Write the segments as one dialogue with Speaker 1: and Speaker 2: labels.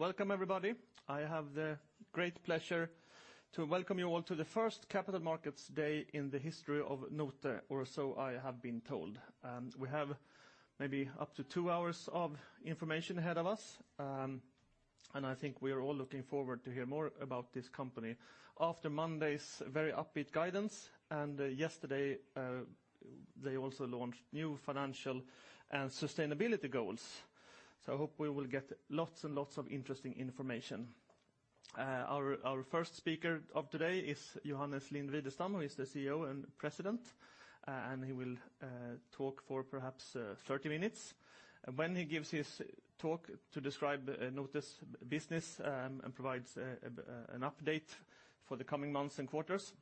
Speaker 1: Welcome everybody. I have the great pleasure to welcome you all to the first Capital Markets Day in the history of NOTE, or so I have been told. We have maybe up to two hours of information ahead of us, and I think we are all looking forward to hear more about this company. After Monday's very upbeat guidance, and yesterday, they also launched new financial and sustainability goals. I hope we will get lots and lots of interesting information. Our first speaker of today is Johannes Lind-Widestam, who is the CEO and President, and he will talk for perhaps 30 minutes. When he gives his talk to describe NOTE's business, and provides an update for the coming months and quarters,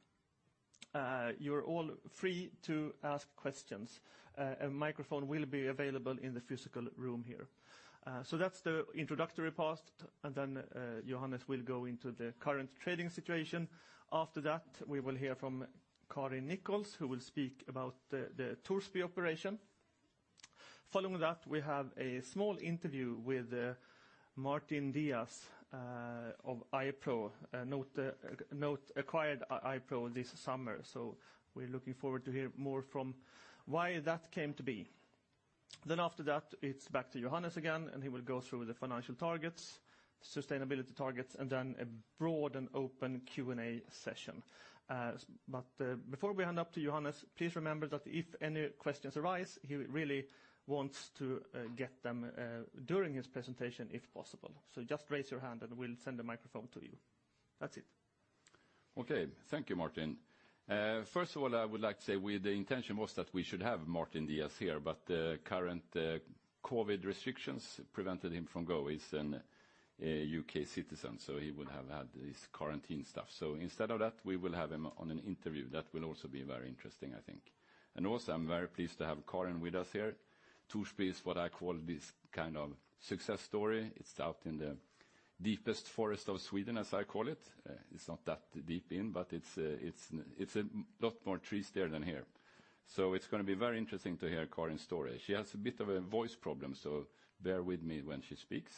Speaker 1: you're all free to ask questions. A microphone will be available in the physical room here. That's the introductory part, and then Johannes will go into the current trading situation. After that, we will hear from Karin Nichols, who will speak about the Torsby operation. Following that, we have a small interview with Martin Deas of iPRO. NOTE acquired iPRO this summer, so we're looking forward to hear more from why that came to be. After that, it's back to Johannes again, and he will go through the financial targets, sustainability targets, and then a broad and open Q&A session. Before we hand over to Johannes, please remember that if any questions arise, he really wants to get them during his presentation if possible. Just raise your hand and we'll send a microphone to you. That's it.
Speaker 2: Okay. Thank you, Martin. First of all, I would like to say the intention was that we should have Martin Deas here, but the current COVID restrictions prevented him from going. He's a U.K. citizen, so he would have had this quarantine stuff. Instead of that, we will have him on an interview. That will also be very interesting, I think. I'm very pleased to have Karin with us here. Torsby is what I call this kind of success story. It's out in the deepest forest of Sweden, as I call it. It's not that deep in, but it's a lot more trees there than here. It's gonna be very interesting to hear Karin's story. She has a bit of a voice problem, so bear with me when she speaks.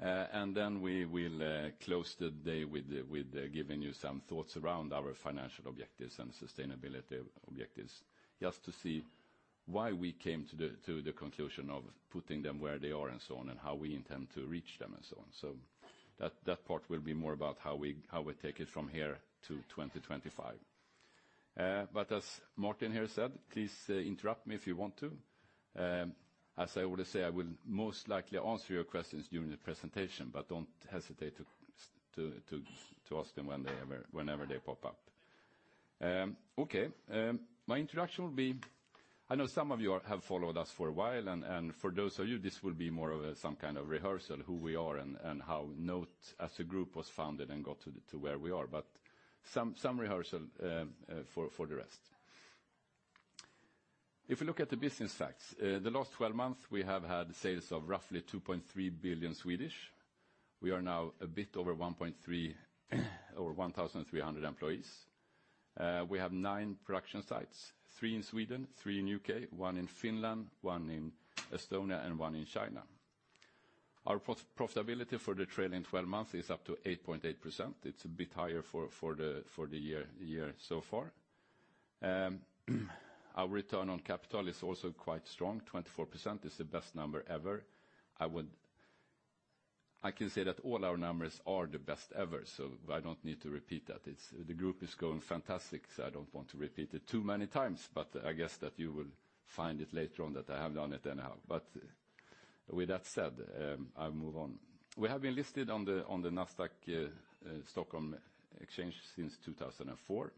Speaker 2: We will close the day with giving you some thoughts around our financial objectives and sustainability objectives, just to see why we came to the conclusion of putting them where they are and so on, and how we intend to reach them and so on. That part will be more about how we take it from here to 2025. As Martin here said, please interrupt me if you want to. As I already say, I will most likely answer your questions during the presentation, but don't hesitate to ask them whenever they pop up. My introduction will be, I know some of you have followed us for a while, and for those of you, this will be more of a some kind of rehearsal, who we are and how NOTE as a group was founded and got to where we are. Some rehearsal for the rest. If you look at the business facts, the last 12 months, we have had sales of roughly 2.3 billion. We are now a bit over 1.3 or 1,300 employees. We have nine production sites, three in Sweden, three in U.K., one in Finland, one in Estonia, and one in China. Our profitability for the trailing twelve months is up to 8.8%. It's a bit higher for the year so far. Our return on capital is also quite strong. 24% is the best number ever. I can say that all our numbers are the best ever, so I don't need to repeat that. The group is going fantastic, so I don't want to repeat it too many times, but I guess that you will find it later on that I have done it anyhow. With that said, I'll move on. We have been listed on the Nasdaq Stockholm Exchange since 2004.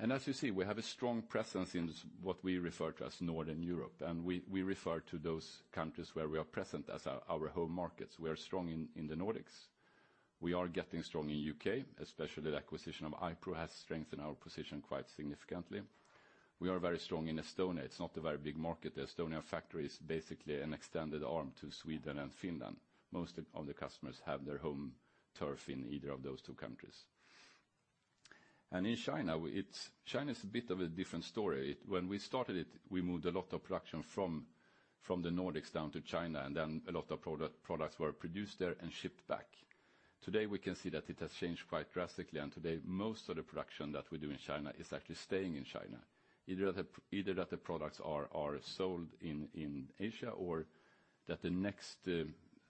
Speaker 2: As you see, we have a strong presence in what we refer to as Northern Europe, and we refer to those countries where we are present as our home markets. We are strong in the Nordics. We are getting strong in the U.K., especially the acquisition of iPRO has strengthened our position quite significantly. We are very strong in Estonia. It's not a very big market. The Estonia factory is basically an extended arm to Sweden and Finland. Most of the customers have their home turf in either of those two countries. In China is a bit of a different story. When we started it, we moved a lot of production from the Nordics down to China, and then a lot of products were produced there and shipped back. Today, we can see that it has changed quite drastically, and today, most of the production that we do in China is actually staying in China. Either that the products are sold in Asia, or that the next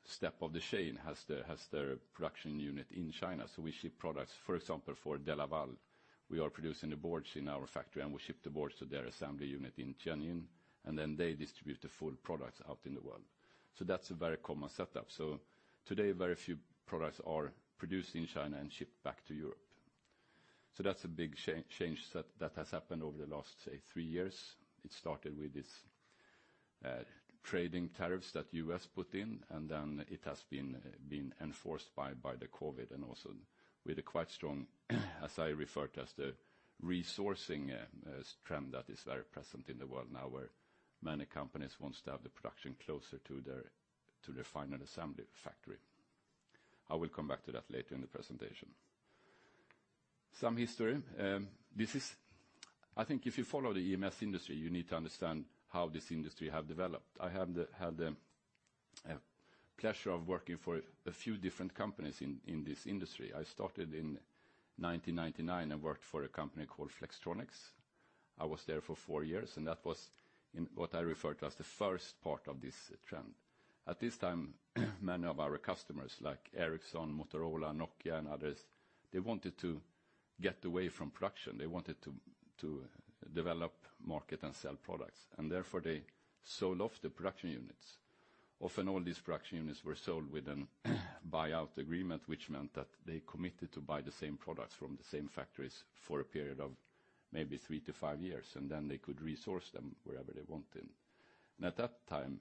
Speaker 2: step of the chain has their production unit in China. We ship products, for example, for DeLaval. We are producing the boards in our factory, and we ship the boards to their assembly unit in Tianjin, and then they distribute the full products out in the world. That's a very common setup. Today, very few products are produced in China and shipped back to Europe. That's a big change that has happened over the last, say, three years. It started with this, trading tariffs that U.S. put in, and then it has been enforced by the COVID and also with a quite strong, as I referred, as the reshoring trend that is very present in the world now, where many companies wants to have the production closer to their final assembly factory. I will come back to that later in the presentation. Some history. This is. I think if you follow the EMS industry, you need to understand how this industry have developed. I had the pleasure of working for a few different companies in this industry. I started in 1999 and worked for a company called Flextronics. I was there for four years, and that was in what I refer to as the first part of this trend. At this time, many of our customers, like Ericsson, Motorola, Nokia and others, they wanted to get away from production. They wanted to develop, market and sell products, and therefore they sold off the production units. Often all these production units were sold with a buyout agreement, which meant that they committed to buy the same products from the same factories for a period of maybe three to five years, and then they could resource them wherever they want then. At that time,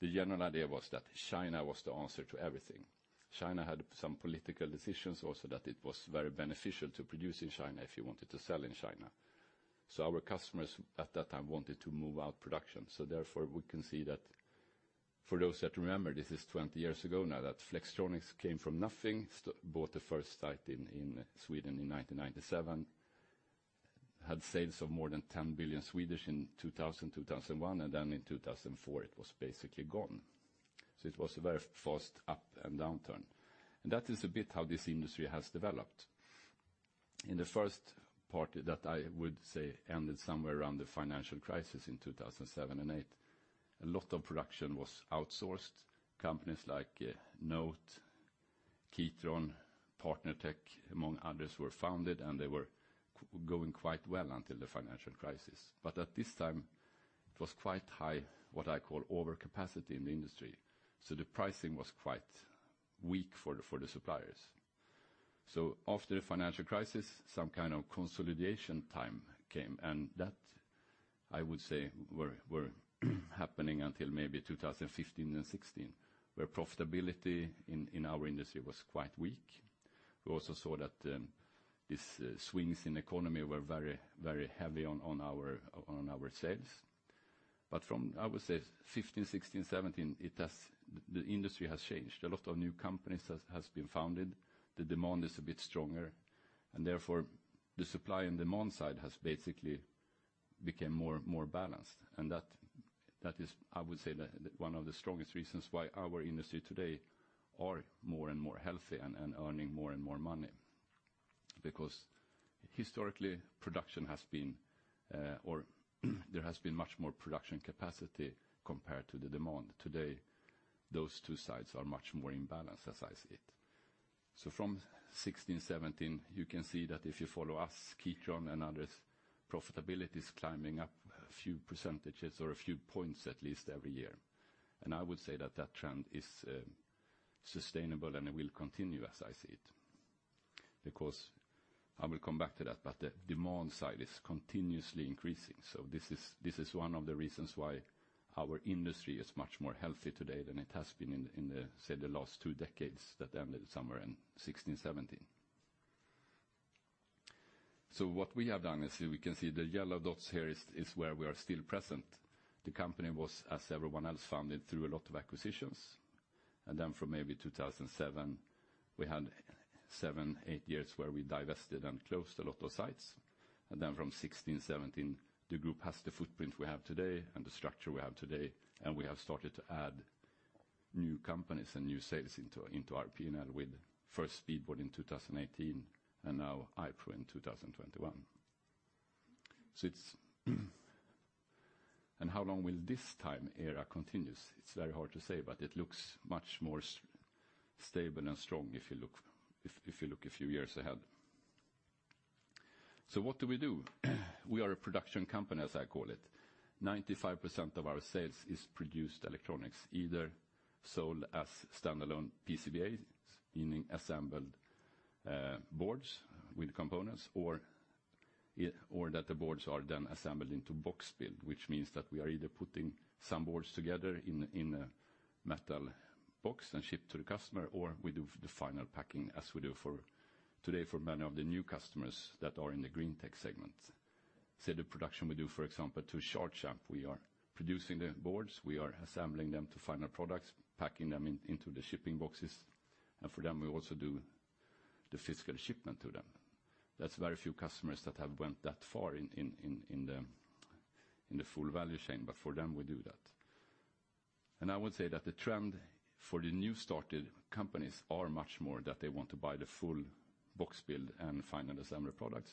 Speaker 2: the general idea was that China was the answer to everything. China had some political decisions also that it was very beneficial to produce in China if you wanted to sell in China. Our customers at that time wanted to move out production. Therefore, we can see that for those that remember, this is 20 years ago now, that Flextronics came from nothing, bought the first site in Sweden in 1997, had sales of more than 10 billion in 2001, and then in 2004 it was basically gone. It was a very fast up and downturn. That is a bit how this industry has developed. In the first part that I would say ended somewhere around the financial crisis in 2007 and 2008, a lot of production was outsourced. Companies like NOTE, Kitron, PartnerTech, among others, were founded, and they were going quite well until the financial crisis. At this time, it was quite high, what I call overcapacity in the industry, so the pricing was quite weak for the suppliers. After the financial crisis, some kind of consolidation time came, and that, I would say, were happening until maybe 2015 and 2016, where profitability in our industry was quite weak. We also saw that these swings in economy were very heavy on our sales. From, I would say, 2015, 2016, 2017, the industry has changed. A lot of new companies has been founded, the demand is a bit stronger, and therefore the supply and demand side has basically became more balanced. That, that is, I would say, one of the strongest reasons why our industry today are more and more healthy and earning more and more money. Because historically, production has been, or there has been much more production capacity compared to the demand. Today, those two sides are much more in balance as I see it. From 2016, 2017, you can see that if you follow us, Kitron and others, profitability is climbing up a few percentages or a few points, at least every year. I would say that trend is sustainable and it will continue as I see it, because I will come back to that, but the demand side is continuously increasing. This is one of the reasons why our industry is much more healthy today than it has been in, say, the last two decades that ended somewhere in 2016, 2017. What we have done is we can see the yellow dots here is where we are still present. The company was, as everyone else, funded through a lot of acquisitions. Then from maybe 2007, we had seven, eight years where we divested and closed a lot of sites. Then from 2016-2017, the group has the footprint we have today and the structure we have today, and we have started to add new companies and new sales into our P&L with first Speedboard in 2018 and now iPRO in 2021. It's very hard to say, but it looks much more stable and strong if you look a few years ahead. What do we do? We are a production company, as I call it. 95% of our sales is produced electronics, either sold as standalone PCBAs, meaning assembled boards with components or that the boards are then assembled into box build, which means that we are either putting some boards together in a metal box and ship to the customer, or we do the final packing as we do for today for many of the new customers that are in the Greentech segment. Say, the production we do, for example, to Charge Amps, we are producing the boards, we are assembling them to final products, packing them into the shipping boxes, and for them, we also do the physical shipment to them. That's very few customers that have went that far in the full value chain, but for them, we do that. I would say that the trend for the new started companies are much more that they want to buy the full box build and final assembly products.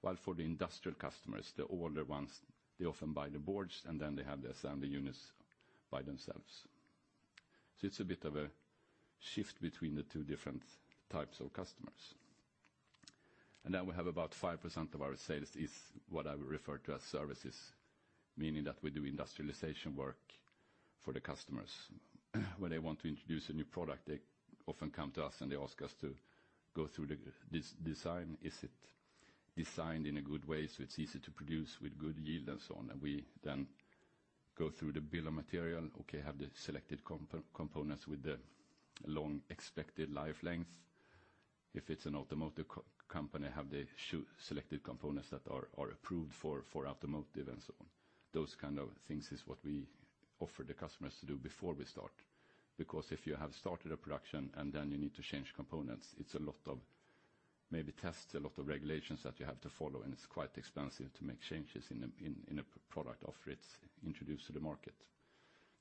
Speaker 2: While for the industrial customers, the older ones, they often buy the boards, and then they have the assembly units by themselves. It's a bit of a shift between the two different types of customers. Then we have about 5% of our sales is what I would refer to as services, meaning that we do industrialization work for the customers. When they want to introduce a new product, they often come to us and they ask us to go through the design. Is it designed in a good way, so it's easy to produce with good yield and so on? We then go through the bill of material. Okay, have the selected components with the long expected life length. If it's an automotive company, have the selected components that are approved for automotive and so on. Those kind of things is what we offer the customers to do before we start. Because if you have started a production and then you need to change components, it's a lot of maybe tests, a lot of regulations that you have to follow, and it's quite expensive to make changes in a product after it's introduced to the market.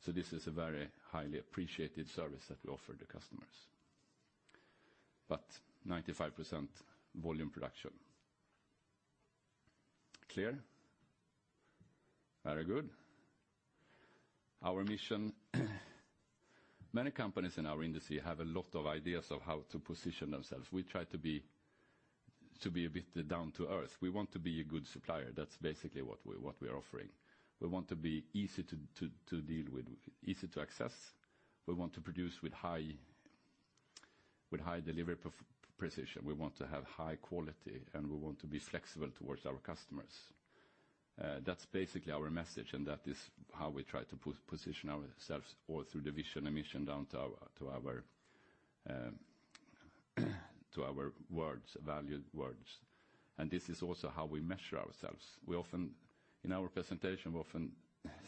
Speaker 2: This is a very highly appreciated service that we offer the customers. 95% volume production. Clear? Very good. Our mission, many companies in our industry have a lot of ideas of how to position themselves. We try to be a bit down to earth. We want to be a good supplier. That's basically what we are offering. We want to be easy to deal with, easy to access. We want to produce with high delivery precision. We want to have high quality, and we want to be flexible towards our customers. That's basically our message, and that is how we try to position ourselves all through the vision and mission down to our valued words. This is also how we measure ourselves. We often, in our presentation,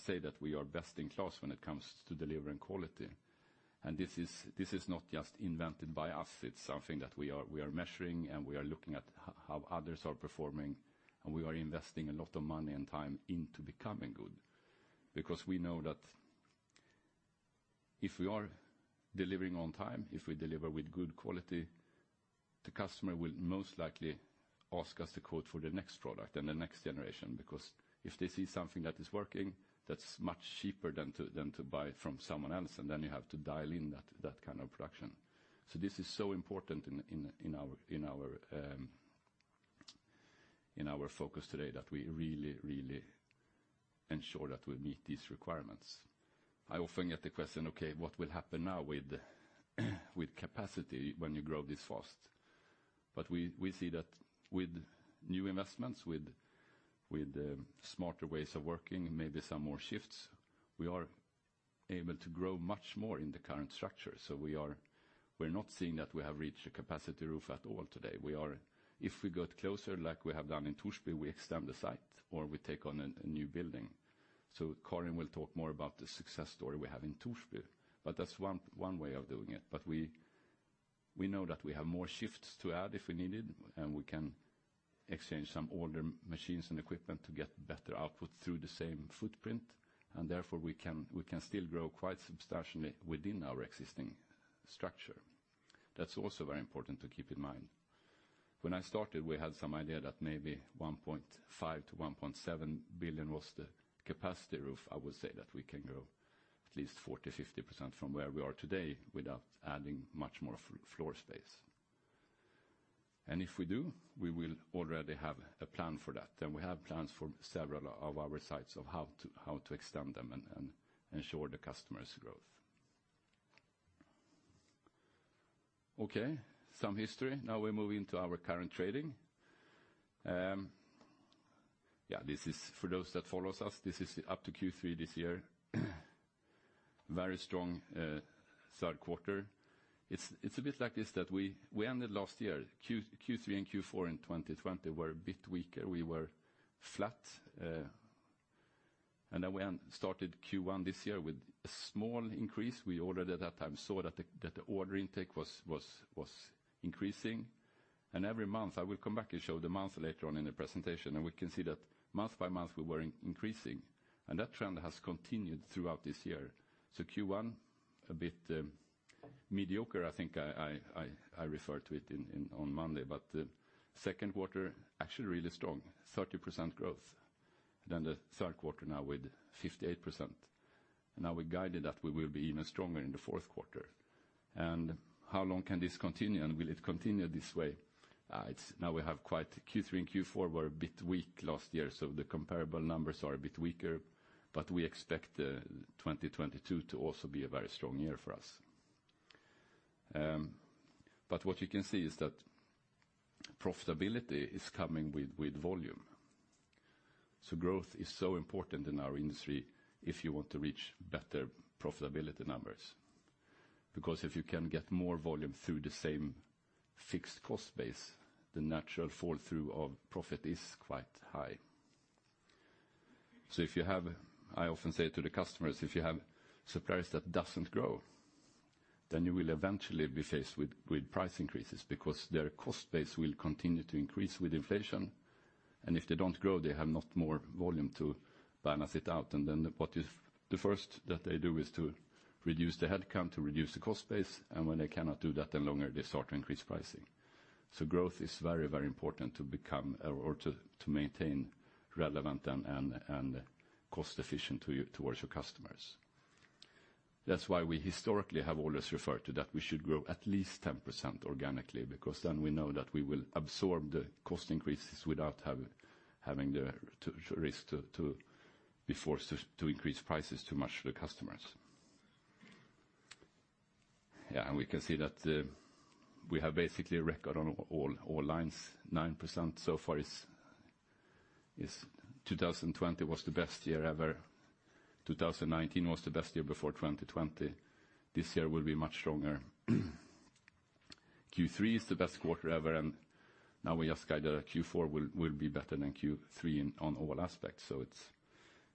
Speaker 2: say that we are best in class when it comes to delivering quality. This is not just invented by us, it's something that we are measuring, and we are looking at how others are performing, and we are investing a lot of money and time into becoming good. We know that if we are delivering on time, if we deliver with good quality, the customer will most likely ask us to quote for the next product and the next generation. If they see something that is working, that's much cheaper than to buy from someone else, and then you have to dial in that kind of production. This is so important in our focus today that we really ensure that we meet these requirements. I often get the question, okay, what will happen now with capacity when you grow this fast? We see that with new investments, with smarter ways of working, maybe some more shifts, we are able to grow much more in the current structure. We're not seeing that we have reached a capacity roof at all today. If we got closer, like we have done in Torsby, we extend the site or we take on a new building. Karin will talk more about the success story we have in Torsby. That's one way of doing it. We know that we have more shifts to add if we need it, and we can exchange some older machines and equipment to get better output through the same footprint. Therefore, we can still grow quite substantially within our existing structure. That's also very important to keep in mind. When I started, we had some idea that maybe 1.5 billion-1.7 billion was the capacity roof. I would say that we can grow at least 40%-50% from where we are today without adding much more floor space. If we do, we will already have a plan for that. We have plans for several of our sites of how to extend them and ensure the customers' growth. Okay. Some history. Now we move into our current trading. Yeah, this is for those that follows us, this is up to Q3 this year. Very strong third quarter. It's a bit like this, that we ended last year, Q3 and Q4 in 2020 were a bit weaker. We were flat, and then we started Q1 this year with a small increase. We already at that time saw that the order intake was increasing. Every month, I will come back and show the months later on in the presentation, and we can see that month by month, we were increasing. That trend has continued throughout this year. Q1, a bit mediocre, I think I referred to it on Monday. Second quarter, actually really strong, 30% growth. The third quarter now with 58%. We guided that we will be even stronger in the fourth quarter. How long can this continue, and will it continue this way? Now, Q3 and Q4 were a bit weak last year, so the comparable numbers are a bit weaker, but we expect 2022 to also be a very strong year for us. What you can see is that profitability is coming with volume. Growth is so important in our industry if you want to reach better profitability numbers. If you can get more volume through the same fixed cost base, the natural fall-through of profit is quite high. If you have, I often say to the customers, if you have suppliers that doesn't grow, then you will eventually be faced with with price increases because their cost base will continue to increase with inflation. If they don't grow, they have not more volume to balance it out. What is the first that they do is to reduce the headcount, to reduce the cost base. When they cannot do that any longer, they start to increase pricing. Growth is very, very important to become or to maintain relevant and cost efficient to, towards your customers. That's why we historically have always referred to that we should grow at least 10% organically, because then we know that we will absorb the cost increases without having the risk to be forced to increase prices too much to the customers. We can see that we have basically a record on all lines, 9% so far is. 2020 was the best year ever. 2019 was the best year before 2020. This year will be much stronger. Q3 is the best quarter ever, and now we just guided that Q4 will be better than Q3 on all aspects.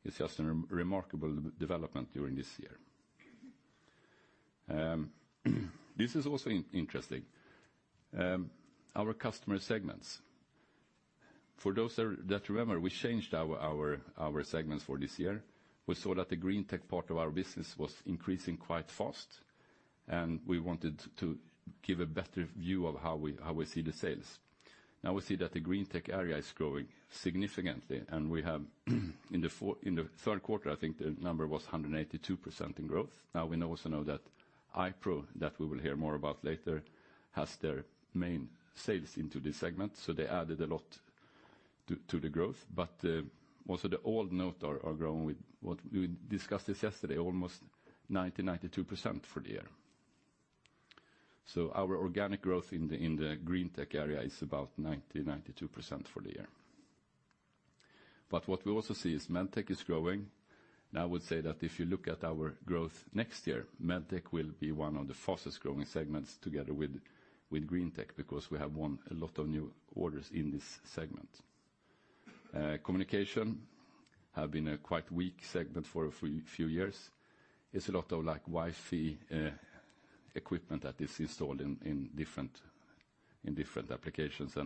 Speaker 2: It's just a remarkable development during this year. This is also interesting, our customer segments. For those that remember, we changed our segments for this year. We saw that the Greentech part of our business was increasing quite fast, and we wanted to give a better view of how we see the sales. Now we see that the Greentech area is growing significantly, and we have in the third quarter, I think the number was 182% in growth. We also know that iPRO, that we will hear more about later, has their main sales into this segment. They added a lot to the growth. Also the old NOTE are growing with what we discussed yesterday, almost 92% for the year. Our organic growth in the Greentech area is about 92% for the year. What we also see is Medtech is growing. Now I would say that if you look at our growth next year, Medtech will be one of the fastest-growing segments together with Greentech, because we have won a lot of new orders in this segment. Communication has been a quite weak segment for a few years. It's a lot of, like, Wi-Fi equipment that is installed in different applications.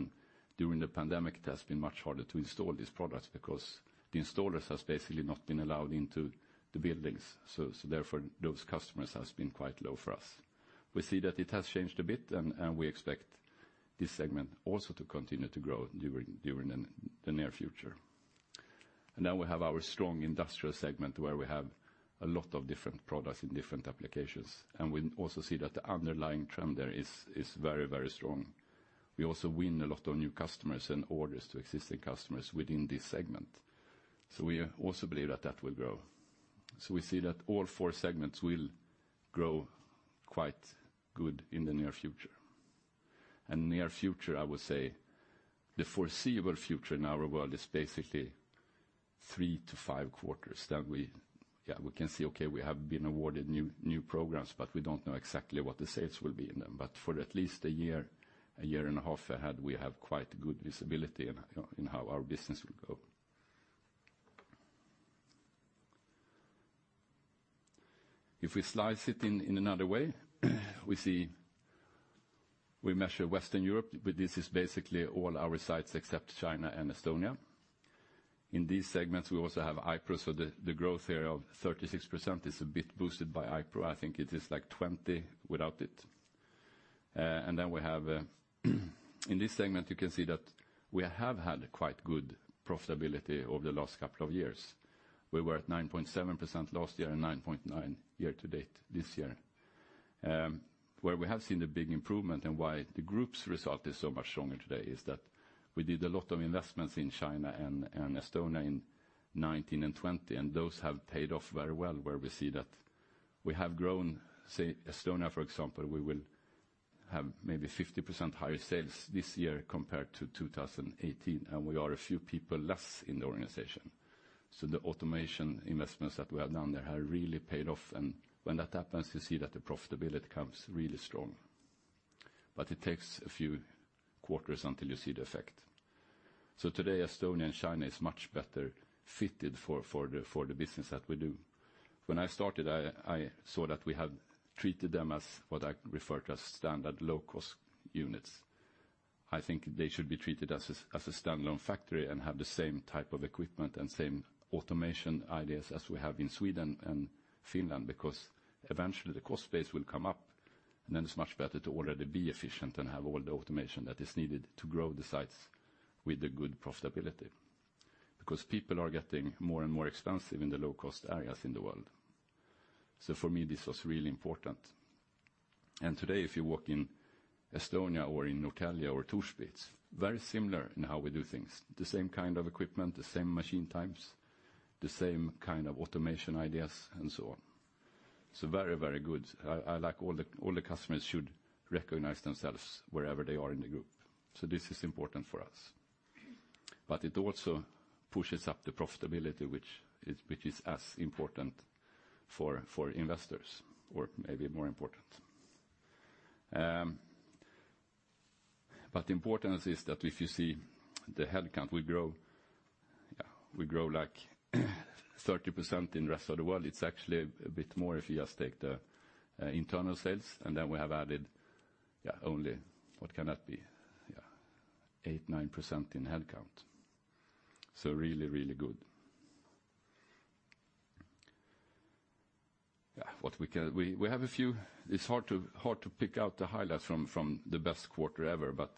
Speaker 2: During the pandemic, it has been much harder to install these products because the installers has basically not been allowed into the buildings. Therefore, those customers has been quite low for us. We see that it has changed a bit, and we expect this segment also to continue to grow during the near future. Now we have our strong Industrial segment, where we have a lot of different products in different applications. We also see that the underlying trend there is very, very strong. We also win a lot of new customers and orders to existing customers within this segment. We also believe that that will grow. We see that all four segments will grow quite good in the near future. Near future, I would say the foreseeable future in our world is basically three to five quarters. We can see we have been awarded new programs, but we don't know exactly what the sales will be in them. For at least a year, a year and a half ahead, we have quite good visibility in you know in how our business will go. If we slice it in another way, we see we measure Western Europe, but this is basically all our sites except China and Estonia. In these segments, we also have IPOs, so the growth here of 36% is a bit boosted by IPO. I think it is, like, 20 without it. And then we have in this segment, you can see that we have had quite good profitability over the last couple of years. We were at 9.7% last year and 9.9% year to date this year. Where we have seen a big improvement and why the group's result is so much stronger today is that we did a lot of investments in China and Estonia in 2019 and 2020, and those have paid off very well, where we see that we have grown, say, Estonia, for example, we will have maybe 50% higher sales this year compared to 2018, and we are a few people less in the organization. The automation investments that we have done there have really paid off. When that happens, you see that the profitability comes really strong. It takes a few quarters until you see the effect. Today, Estonia and China is much better fitted for the business that we do. When I started, I saw that we have treated them as what I refer to as standard low-cost units. I think they should be treated as a standalone factory and have the same type of equipment and same automation ideas as we have in Sweden and Finland, because eventually the cost base will come up, and then it's much better to already be efficient and have all the automation that is needed to grow the sites with a good profitability. Because people are getting more and more expensive in the low-cost areas in the world. For me, this was really important. Today, if you work in Estonia or in Norrtälje or Torsby, it's very similar in how we do things. The same kind of equipment, the same machine types, the same kind of automation ideas, and so on. Very, very good. I like all the customers should recognize themselves wherever they are in the group. This is important for us. It also pushes up the profitability, which is as important for investors, or maybe more important. Importance is that if you see the headcount, we grow like 30% in rest of the world. It's actually a bit more if you just take the internal sales, and then we have added, yeah, only, what can that be? Yeah, 8-9% in headcount. Really, really good. Yeah. It's hard to pick out the highlights from the best quarter ever, but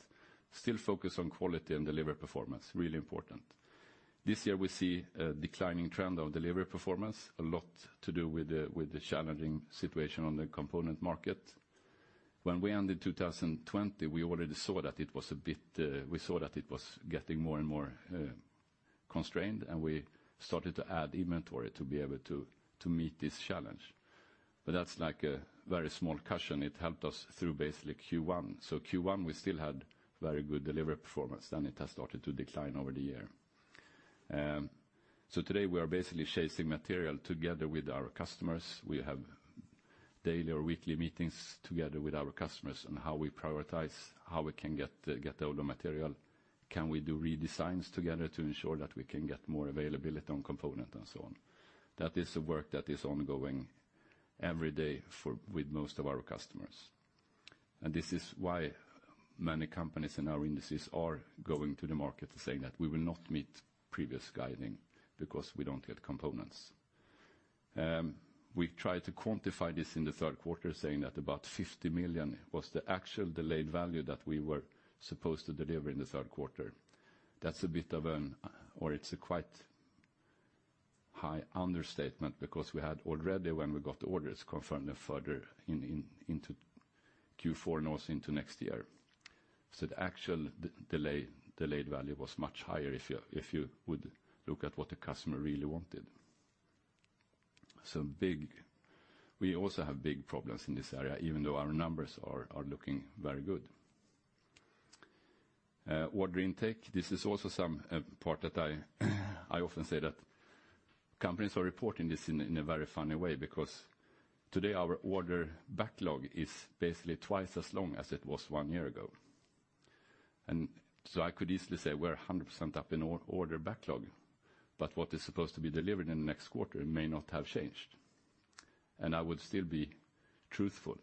Speaker 2: still focus on quality and delivery performance, really important. This year, we see a declining trend of delivery performance, a lot to do with the challenging situation on the component market. When we ended 2020, we already saw that it was a bit, we saw that it was getting more and more constrained, and we started to add inventory to be able to meet this challenge. But that's like a very small cushion. It helped us through basically Q1. Q1, we still had very good delivery performance, then it has started to decline over the year. Today we are basically chasing material together with our customers. We have daily or weekly meetings together with our customers on how we prioritize, how we can get all the material. Can we do redesigns together to ensure that we can get more availability on component and so on? That is the work that is ongoing every day with most of our customers. This is why many companies in our industries are going to the market saying that we will not meet previous guidance because we don't get components. We've tried to quantify this in the third quarter, saying that about 50 million was the actual delayed value that we were supposed to deliver in the third quarter. That's a bit of an, It's a quite high understatement because we had already, when we got the orders, confirmed it further into Q4 and also into next year. The actual delayed value was much higher if you would look at what the customer really wanted. We also have big problems in this area, even though our numbers are looking very good. Order intake. This is also some part that I often say that companies are reporting this in a very funny way because today our order backlog is basically twice as long as it was one year ago. I could easily say we're 100% up in order backlog, but what is supposed to be delivered in the next quarter may not have changed, and I would still be truthful.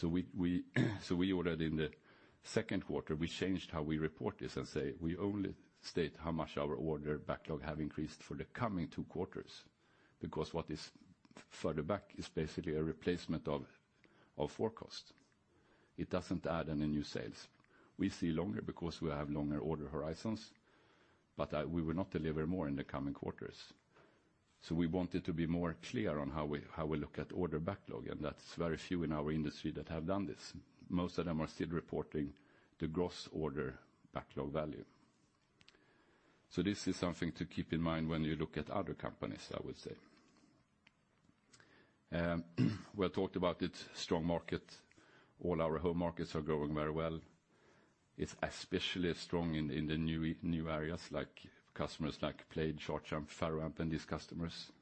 Speaker 2: We ordered in the second quarter. We changed how we report this and say we only state how much our order backlog has increased for the coming two quarters because what is further back is basically a replacement of forecast. It doesn't add any new sales. We see longer because we have longer order horizons, but we will not deliver more in the coming quarters. We wanted to be more clear on how we look at order backlog, and that's very few in our industry that have done this. Most of them are still reporting the gross order backlog value. This is something to keep in mind when you look at other companies, I would say. We have talked about its strong market. All our home markets are growing very well. It's especially strong in the new areas like customers like Plejd, Shortram, Ferroamp, and these customers.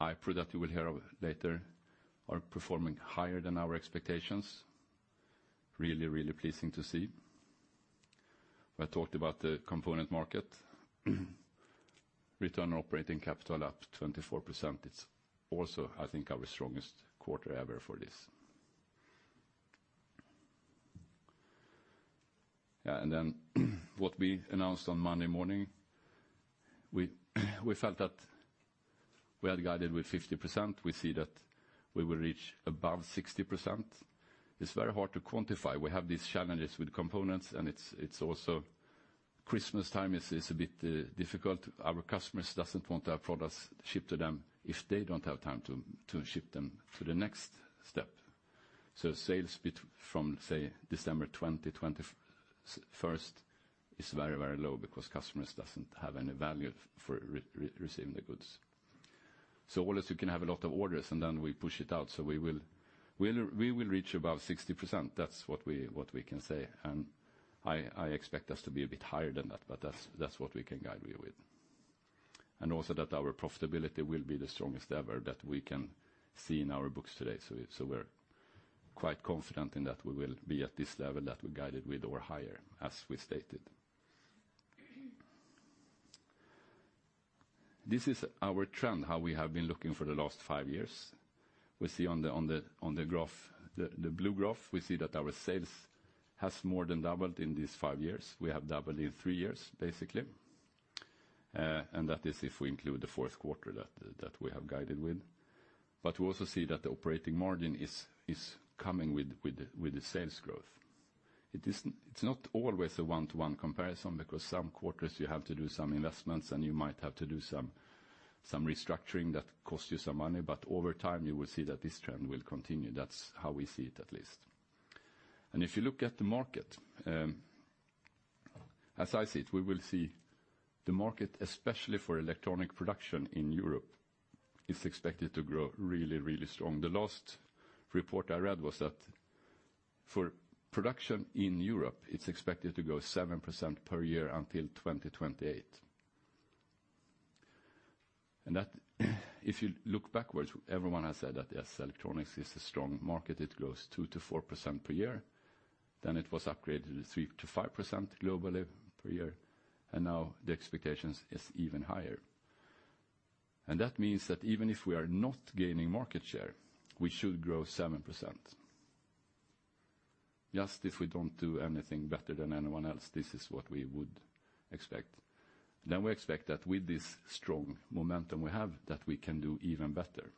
Speaker 2: iPRO, you will hear of later, are performing higher than our expectations. Really pleasing to see. We talked about the component market. Return on operating capital up 24%. It's also, I think, our strongest quarter ever for this. What we announced on Monday morning, we felt that we had guided with 50%. We see that we will reach above 60%. It's very hard to quantify. We have these challenges with components, and it's also Christmas time is a bit difficult. Our customers doesn't want our products shipped to them if they don't have time to ship them for the next step. Sales bit from, say, December 20, 2021 is very, very low because customers doesn't have any value for receiving the goods. All of a sudden you can have a lot of orders, and then we push it out. We will reach above 60%. That's what we can say. I expect us to be a bit higher than that, but that's what we can guide you with. Also that our profitability will be the strongest ever that we can see in our books today. We're quite confident in that we will be at this level that we guided with or higher, as we stated. This is our trend, how we have been looking for the last five years. We see on the graph, the blue graph, that our sales has more than doubled in these five years. We have doubled in three years, basically. That is if we include the fourth quarter that we have guided with. We also see that the operating margin is coming with the sales growth. It's not always a one-to-one comparison because some quarters you have to do some investments and you might have to do some restructuring that costs you some money, but over time, you will see that this trend will continue. That's how we see it, at least. If you look at the market, as I see it, we will see the market, especially for electronic production in Europe, is expected to grow really strong. The last report I read was that for production in Europe, it's expected to grow 7% per year until 2028. That, if you look backwards, everyone has said that, yes, electronics is a strong market. It grows 2%-4% per year. It was upgraded to 3%-5% globally per year. Now the expectations is even higher. That means that even if we are not gaining market share, we should grow 7%. Just if we don't do anything better than anyone else, this is what we would expect. We expect that with this strong momentum we have, that we can do even better.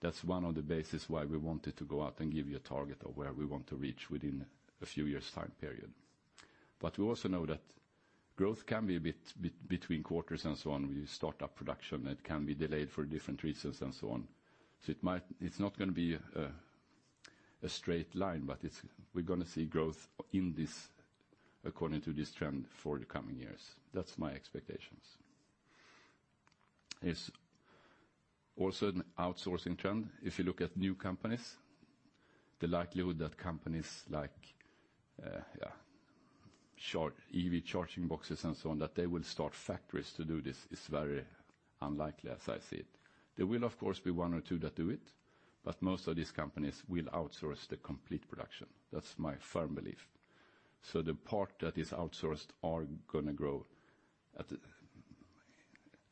Speaker 2: That's one of the basis why we wanted to go out and give you a target of where we want to reach within a few years time period. We also know that growth can be a bit between quarters and so on. We start our production, it can be delayed for different reasons and so on. It might not be a straight line, but we're gonna see growth in this according to this trend for the coming years. That's my expectations. It is also an outsourcing trend. If you look at new companies, the likelihood that companies like Charge Amps, EV charging boxes and so on, that they will start factories to do this is very unlikely as I see it. There will, of course, be one or two that do it, but most of these companies will outsource the complete production. That's my firm belief. The part that is outsourced are gonna grow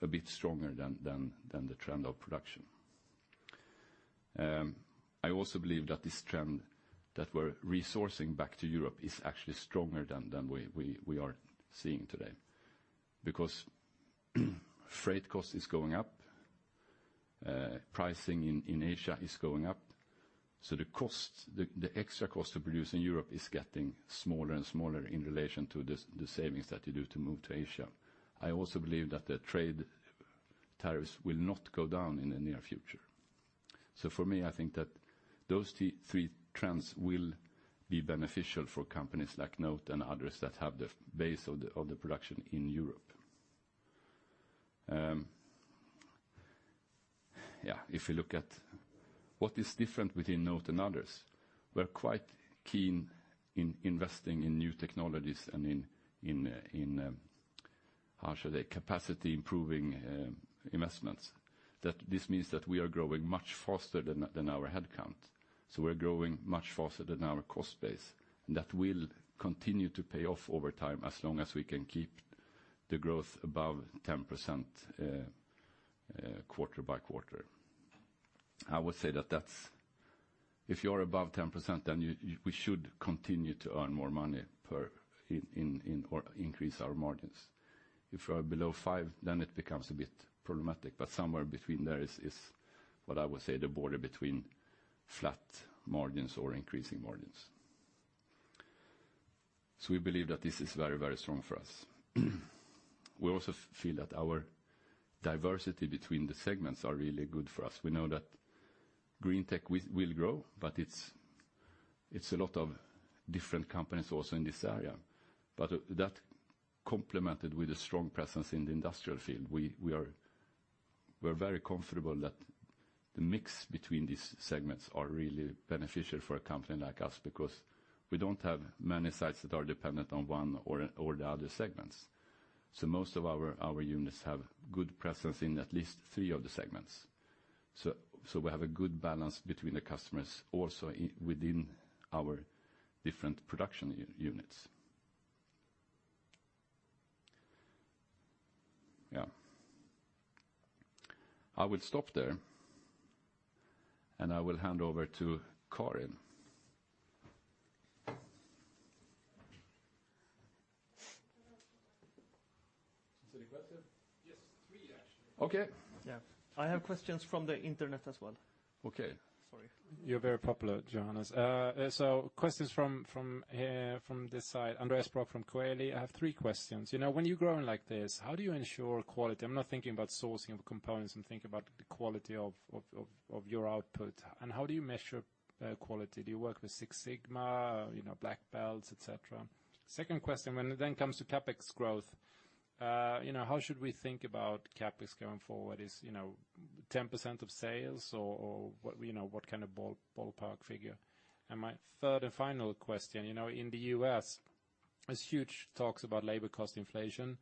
Speaker 2: a bit stronger than the trend of production. I also believe that this trend that we're reshoring back to Europe is actually stronger than we are seeing today because freight cost is going up, pricing in Asia is going up. The extra cost to produce in Europe is getting smaller and smaller in relation to the savings that you do to move to Asia. I also believe that the trade tariffs will not go down in the near future. For me, I think that those three trends will be beneficial for companies like NOTE and others that have the base of the production in Europe. Yeah, if you look at what is different within NOTE and others, we're quite keen in investing in new technologies and in how should I say, capacity improving investments. That this means that we are growing much faster than our headcount. We're growing much faster than our cost base, and that will continue to pay off over time as long as we can keep the growth above 10%, quarter by quarter. I would say that that's. If you are above 10%, then we should continue to earn more money per in or increase our margins. If we're below 5%, then it becomes a bit problematic. Somewhere between there is what I would say, the border between flat margins or increasing margins. We believe that this is very, very strong for us. We also feel that our diversity between the segments are really good for us. We know that Greentech will grow, but it's a lot of different companies also in this area. That complemented with a strong presence in the industrial field, we're very comfortable that the mix between these segments are really beneficial for a company like us because we don't have many sites that are dependent on one or the other segments. Most of our units have good presence in at least three of the segments. We have a good balance between the customers also within our different production units. Yeah. I will stop there, and I will hand over to Karin. Is there any question?
Speaker 1: Yes, three, actually.
Speaker 2: Okay.
Speaker 3: Yeah. I have questions from the internet as well.
Speaker 2: Okay.
Speaker 1: Sorry.
Speaker 3: You're very popular, Johannes. Questions from this side. Andreas Brock from Coeli. I have three questions. You know, when you're growing like this, how do you ensure quality? I'm not thinking about sourcing of components. I'm thinking about the quality of your output. How do you measure quality? Do you work with Six Sigma, you know, black belts, et cetera? Second question, when it comes to CapEx growth, you know, how should we think about CapEx going forward? Is 10% of sales or what, you know, what kind of ballpark figure? My third and final question. You know, in the U.S., there's huge talks about labor cost inflation.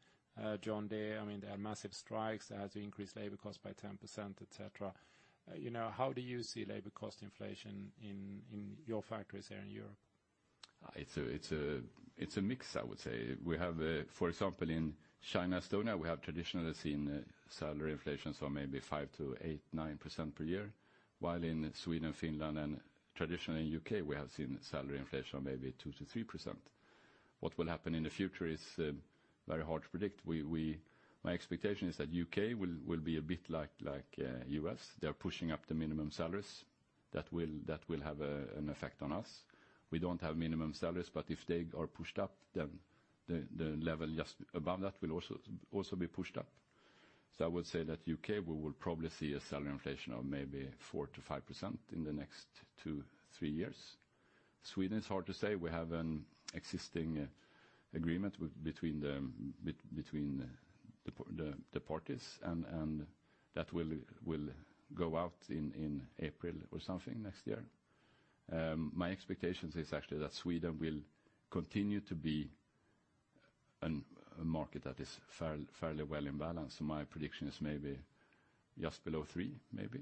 Speaker 3: John Deere, I mean, there are massive strikes to increase labor costs by 10%, et cetera. You know, how do you see labor cost inflation in your factories here in Europe?
Speaker 2: It's a mix, I would say. We have, for example, in China, Estonia, we have traditionally seen salary inflation, so maybe 5%-9% per year, while in Sweden, Finland, and traditionally U.K., we have seen salary inflation maybe 2%-3%. What will happen in the future is very hard to predict. My expectation is that U.K. will be a bit like U.S. They're pushing up the minimum salaries. That will have an effect on us. We don't have minimum salaries, but if they are pushed up, then the level just above that will also be pushed up. I would say that U.K., we will probably see a salary inflation of maybe 4%-5% in the next two, three years. Sweden, it's hard to say. We have an existing agreement between the parties, and that will go out in April or something next year. My expectations is actually that Sweden will continue to be a market that is fairly well in balance. My prediction is maybe just below three, maybe.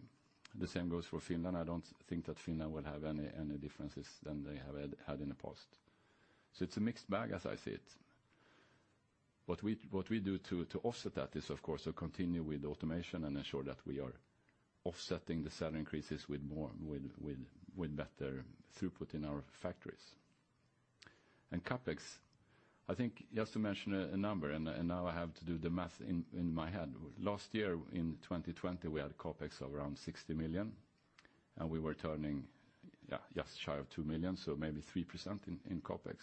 Speaker 2: The same goes for Finland. I don't think that Finland will have any differences than they have had in the past. It's a mixed bag as I see it. What we do to offset that is, of course, to continue with automation and ensure that we are offsetting the salary increases with more, with better throughput in our factories. CapEx, I think just to mention a number, and now I have to do the math in my head. Last year in 2020, we had CapEx of around 60 million, and we were turning, yeah, just shy of 2 million, so maybe 3% in CapEx.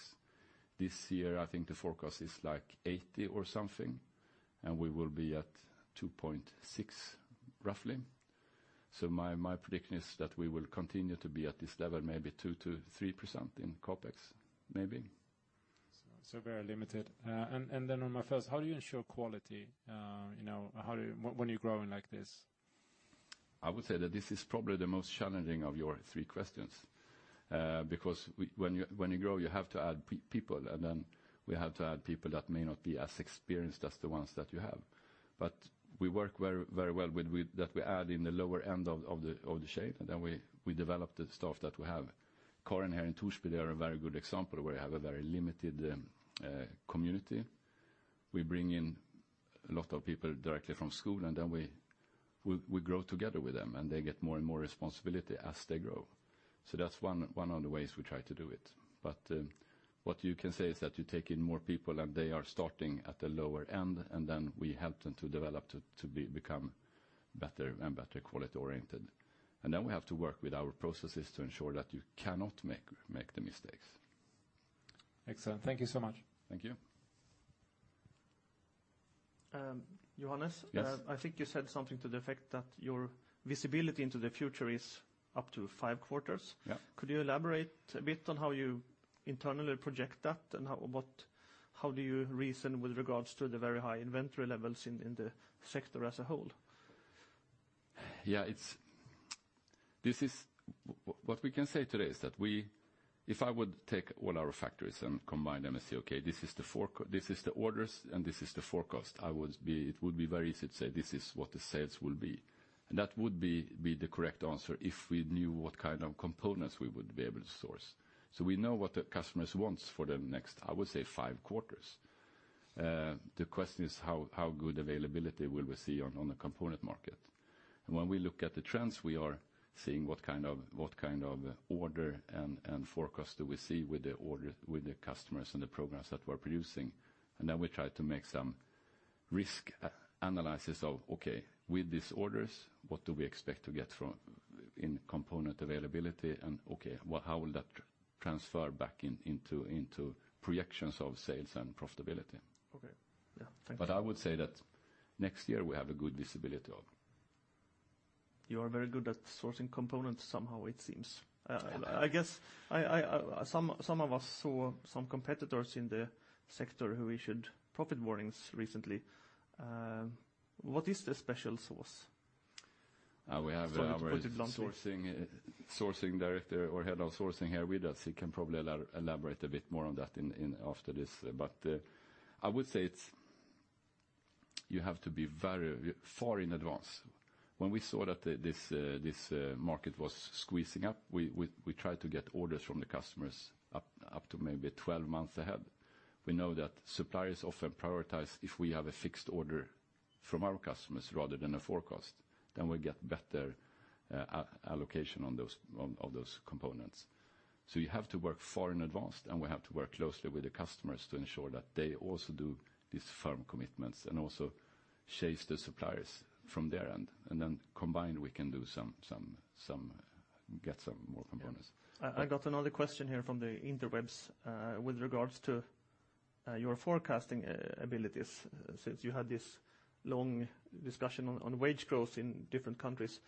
Speaker 2: This year, I think the forecast is like 80 or something, and we will be at 2.6, roughly. My prediction is that we will continue to be at this level, maybe 2%-3% in CapEx, maybe.
Speaker 3: Very limited. On my first, how do you ensure quality? You know, how do you when you're growing like this?
Speaker 2: I would say that this is probably the most challenging of your three questions. Because when you grow, you have to add people, and then we have to add people that may not be as experienced as the ones that you have. We work very, very well with that we add in the lower end of the scale, and then we develop the staff that we have. Karin here in Torsby are a very good example, where we have a very limited community. We bring in a lot of people directly from school, and then we grow together with them, and they get more and more responsibility as they grow. That's one of the ways we try to do it. What you can say is that you take in more people and they are starting at the lower end, and then we help them to develop to become better and better quality-oriented. Then we have to work with our processes to ensure that you cannot make the mistakes.
Speaker 3: Excellent. Thank you so much.
Speaker 2: Thank you.
Speaker 1: Johannes?
Speaker 2: Yes.
Speaker 1: I think you said something to the effect that your visibility into the future is up to five quarters.
Speaker 2: Yeah.
Speaker 1: Could you elaborate a bit on how you internally project that, and how do you reason with regards to the very high inventory levels in the sector as a whole?
Speaker 2: What we can say today is that we... If I would take all our factories and combine them and say, "Okay, this is the orders and this is the forecast," it would be very easy to say, "This is what the sales will be." That would be the correct answer if we knew what kind of components we would be able to source. We know what the customers wants for the next, I would say, five quarters. The question is how good availability will we see on the component market. When we look at the trends, we are seeing what kind of order and forecast do we see with the customers and the programs that we're producing. Then we try to make some risk analyses of, okay, with these orders, what do we expect to get from component availability? Okay, well, how will that transfer back into projections of sales and profitability?
Speaker 1: Okay. Yeah. Thank you.
Speaker 2: I would say that next year we have a good visibility of.
Speaker 1: You are very good at sourcing components somehow, it seems. I guess some of us saw some competitors in the sector who issued profit warnings recently. What is the special sauce?
Speaker 2: We have our.
Speaker 1: Sorry to put it bluntly.
Speaker 2: Sourcing director or head of sourcing here with us. He can probably elaborate a bit more on that after this. But I would say it's you have to be very far in advance. When we saw that this market was squeezing up, we tried to get orders from the customers up to maybe 12 months ahead. We know that suppliers often prioritize if we have a fixed order from our customers rather than a forecast, then we'll get better allocation on those components. So you have to work far in advance, and we have to work closely with the customers to ensure that they also do these firm commitments and also chase the suppliers from their end. Then combined, we can get some more components.
Speaker 1: Yeah. I got another question here from the interwebs with regards to your forecasting abilities, since you had this long discussion on wage growth in different countries.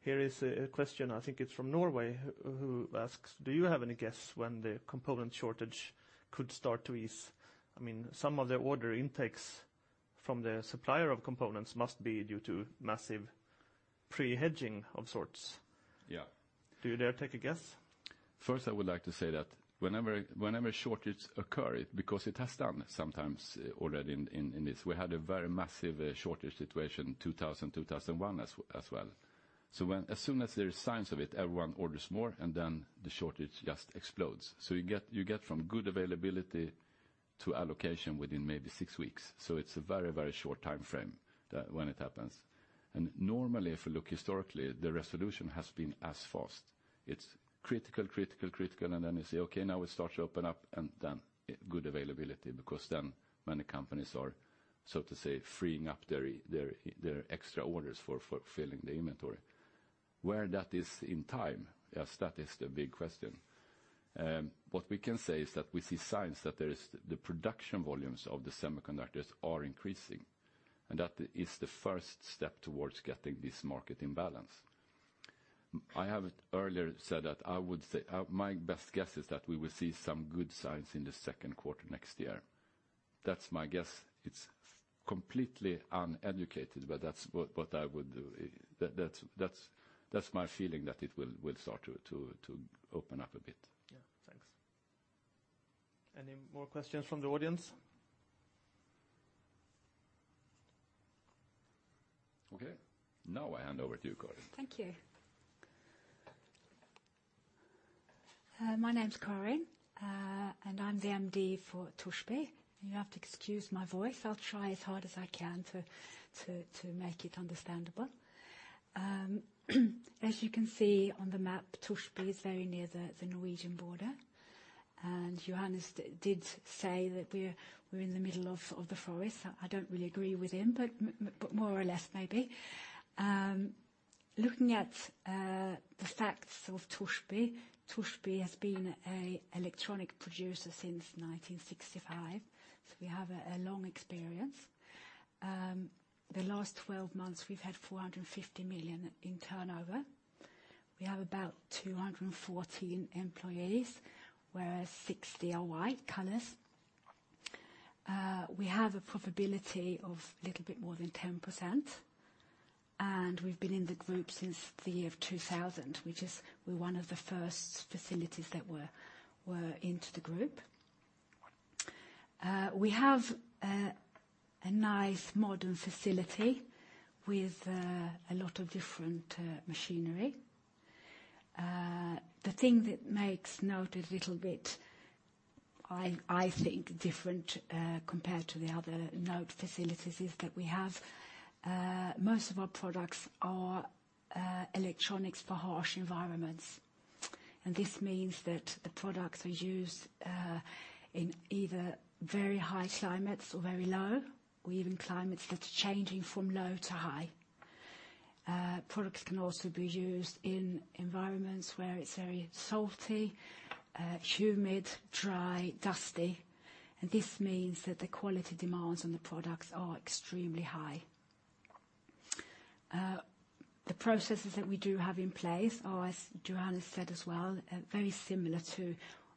Speaker 1: Here is a question, I think it's from Norway, who asks: Do you have any guess when the component shortage could start to ease? I mean, some of the order intakes from the supplier of components must be due to massive pre-hedging of sorts.
Speaker 2: Yeah.
Speaker 1: Do you dare take a guess?
Speaker 2: First, I would like to say that whenever shortages occur, because it has happened sometimes already in this. We had a very massive shortage situation in 2000, 2001 as well. As soon as there are signs of it, everyone orders more, and then the shortage just explodes. You get from good availability to allocation within maybe six weeks. It's a very short timeframe when it happens. Normally, if you look historically, the resolution has been as fast. It's critical, and then you say, "Okay, now it starts to open up," and then good availability, because then many companies are, so to say, freeing up their extra orders for filling the inventory. Where that is in time, yes, that is the big question. What we can say is that we see signs that the production volumes of the semiconductors are increasing, and that is the first step towards getting this market in balance. I have earlier said that I would say my best guess is that we will see some good signs in the second quarter next year. That's my guess. It's completely uneducated, but that's what I would do. That's my feeling that it will start to open up a bit.
Speaker 1: Yeah. Thanks. Any more questions from the audience?
Speaker 2: Okay. Now I hand over to you, Karin Nichols.
Speaker 4: Thank you. My name's Karin Nichols, and I'm the MD for Torsby. You have to excuse my voice. I'll try as hard as I can to make it understandable. As you can see on the map, Torsby is very near the Norwegian border. Johannes did say that we're in the middle of the forest. I don't really agree with him, but more or less maybe. Looking at the facts of Torsby has been an electronic producer since 1965, so we have a long experience. The last 12 months, we've had 450 million in turnover. We have about 214 employees, whereas 60 are white collars. We have a profitability of a little bit more than 10%, and we've been in the group since the year 2000, which is we're one of the first facilities that were into the group. We have a nice modern facility with a lot of different machinery. The thing that makes NOTE a little bit, I think, different compared to the other NOTE facilities is that we have most of our products are electronics for harsh environments. This means that the products are used in either very high climates or very low, or even climates that are changing from low to high. Products can also be used in environments where it's very salty, humid, dry, dusty. This means that the quality demands on the products are extremely high. The processes that we do have in place are, as Johannes has said as well, very similar to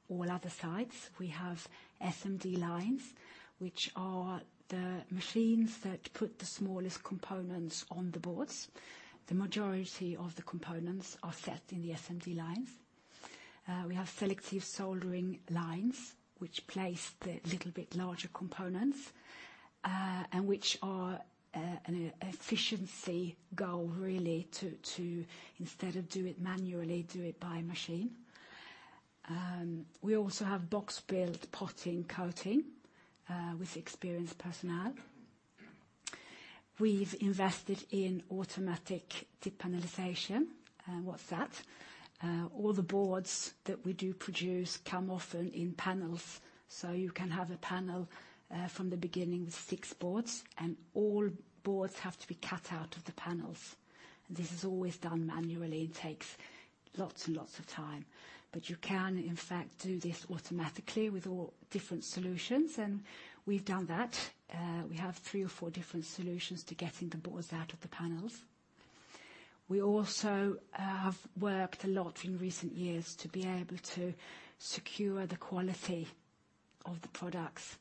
Speaker 4: all other sites. We have SMD lines, which are the machines that put the smallest components on the boards. The majority of the components are set in the SMD lines. We also have selective soldering lines, which place the little bit larger components, and which are an efficiency goal really to instead of do it manually, do it by machine. We also have box build potting coating with experienced personnel. We've invested in automatic depanelization. What's that? All the boards that we do produce come often in panels, so you can have a panel from the beginning with six boards, and all boards have to be cut out of the panels. This is always done manually and takes lots and lots of time. You can, in fact, do this automatically with all different solutions, and we've done that. We have three or four different solutions to getting the boards out of the panels. We also have worked a lot in recent years to be able to secure the quality of the products.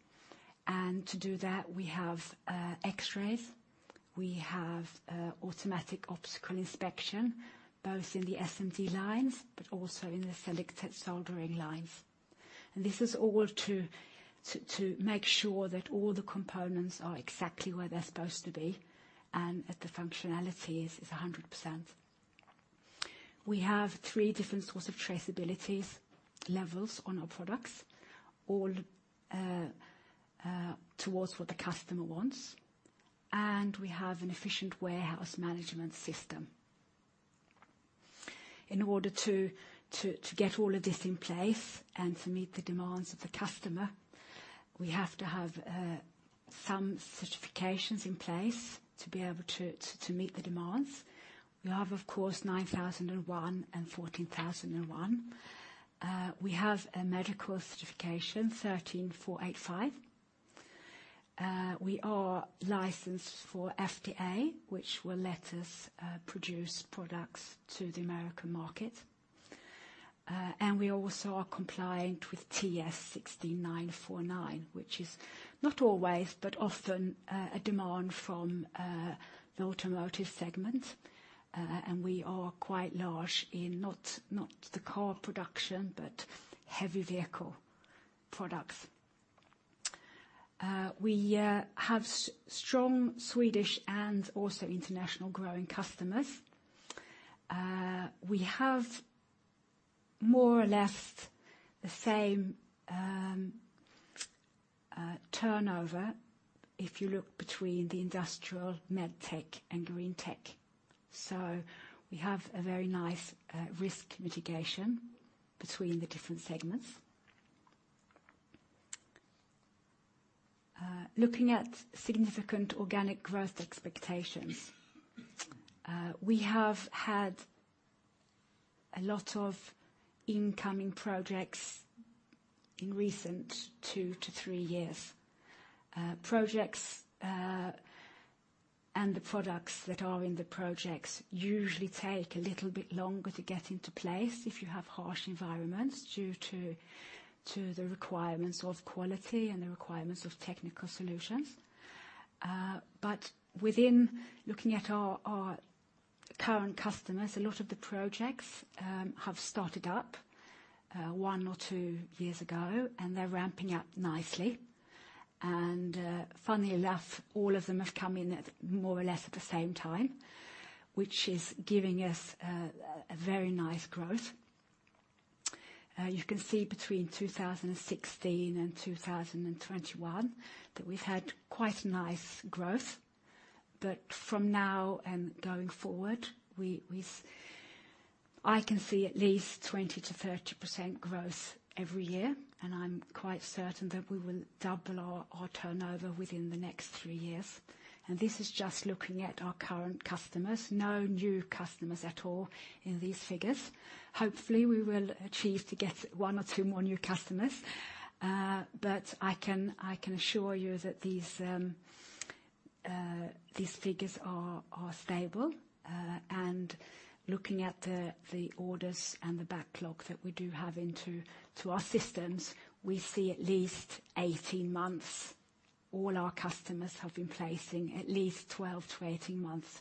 Speaker 4: To do that, we have X-rays. We have automatic optical inspection, both in the SMD lines but also in the selective soldering lines. This is all to make sure that all the components are exactly where they're supposed to be and that the functionality is 100%. We have three different sorts of traceability levels on our products, all towards what the customer wants, and we have an efficient warehouse management system. In order to get all of this in place and to meet the demands of the customer, we have to have some certifications in place to be able to meet the demands. We have, of course, ISO 9001 and ISO 14001. We have a medical certification, ISO 13485. We are licensed for FDA, which will let us produce products to the American market. We also are compliant with IATF 16949, which is not always but often a demand from the automotive segment. We are quite large in not the car production, but heavy vehicle products. We have strong Swedish and also international growing customers. We have more or less the same turnover if you look between the industrial Medtech and Greentech. We have a very nice risk mitigation between the different segments. Looking at significant organic growth expectations, we have had a lot of incoming projects in recent two to three years. Projects and the products that are in the projects usually take a little bit longer to get into place if you have harsh environments due to the requirements of quality and the requirements of technical solutions. Within looking at our current customers, a lot of the projects have started up one or two years ago, and they're ramping up nicely. Funnily enough, all of them have come in at more or less the same time, which is giving us a very nice growth. You can see between 2016 and 2021 that we've had quite nice growth. From now and going forward, I can see at least 20%-30% growth every year, and I'm quite certain that we will double our turnover within the next three years. This is just looking at our current customers, no new customers at all in these figures. Hopefully, we will achieve to get one or two more new customers. I can assure you that these figures are stable. Looking at the orders and the backlog that we do have into our systems, we see at least 18 months. All our customers have been placing at least 12-18 months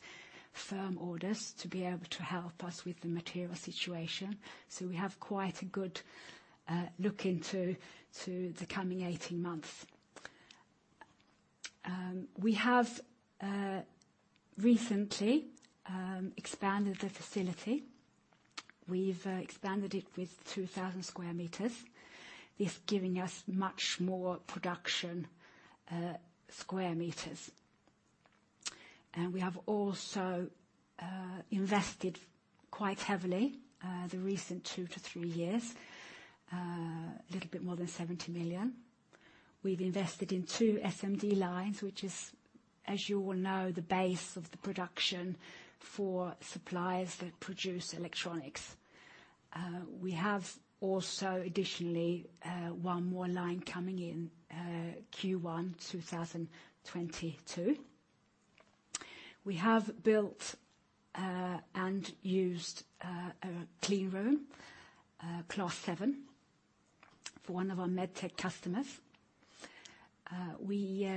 Speaker 4: firm orders to be able to help us with the material situation. We have quite a good look into the coming 18 months. We have recently expanded the facility. We've expanded it with 2,000 sq m, this giving us much more production sq m. We have also invested quite heavily in the recent two to three years, a little bit more than 70 million. We've invested in two SMD lines, which is, as you all know, the base of the production for suppliers that produce electronics. We have also additionally one more line coming in Q1 2022. We have built and used a cleanroom, class seven for one of our Medtech customers. We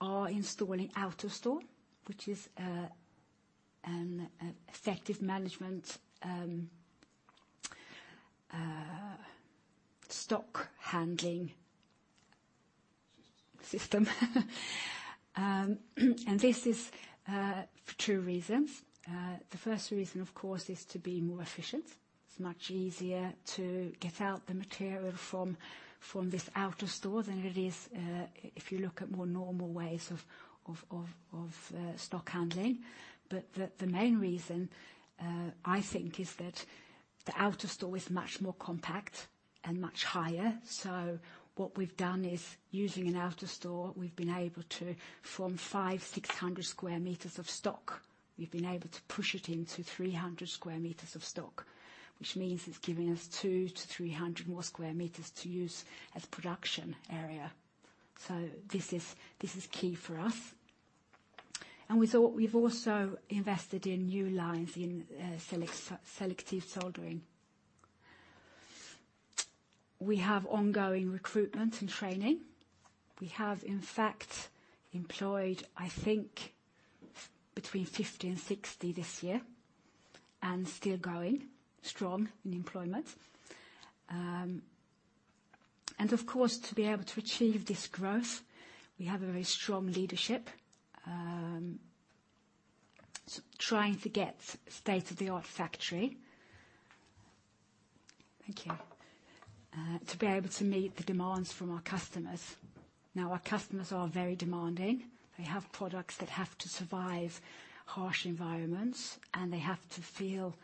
Speaker 4: are installing AutoStore, which is an effective management stock handling system. This is for two reasons. The first reason, of course, is to be more efficient. It's much easier to get out the material from this AutoStore than it is if you look at more normal ways of stock handling. The main reason I think is that the AutoStore is much more compact and much higher. What we've done is using an AutoStore, from 500-600 sq m of stock, we've been able to push it into 300 sq m of stock, which means it's giving us 200-300 more sq m to use as production area. This is key for us. We've also invested in new lines in selective soldering. We have ongoing recruitment and training. We have in fact employed I think between 50 and 60 this year, and still growing strong in employment. Of course, to be able to achieve this growth, we have a very strong leadership, trying to get state-of-the-art factory. Thank you. To be able to meet the demands from our customers. Now, our customers are very demanding. They have products that have to survive harsh environments, and they have to feel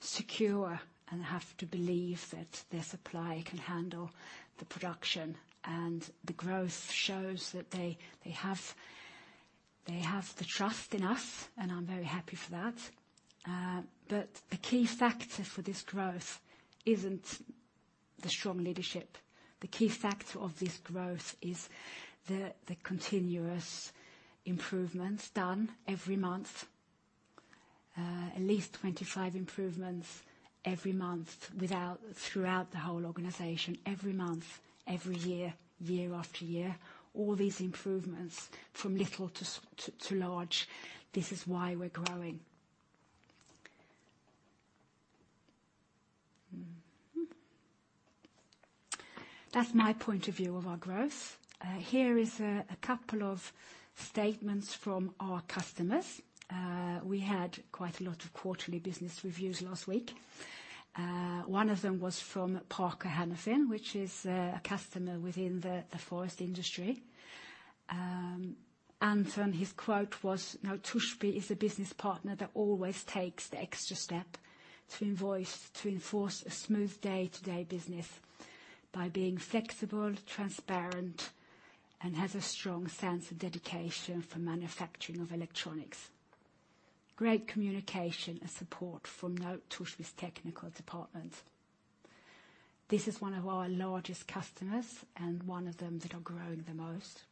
Speaker 4: secure and have to believe that their supplier can handle the production. The growth shows that they have the trust in us, and I'm very happy for that. The key factor for this growth isn't the strong leadership. The key factor of this growth is the continuous improvements done every month, at least 25 improvements every month throughout the whole organization, every month, every year after year, all these improvements from little to large. This is why we're growing. That's my point of view of our growth. Here is a couple of statements from our customers. We had quite a lot of quarterly business reviews last week. One of them was from Parker Hannifin, which is a customer within the forest industry. Anton, his quote was, "NOTE Torsby is a business partner that always takes the extra step to enforce a smooth day-to-day business by being flexible, transparent, and has a strong sense of dedication for manufacturing of electronics. Great communication and support from NOTE Torsby's technical departments." This is one of our largest customers and one of them that are growing the most.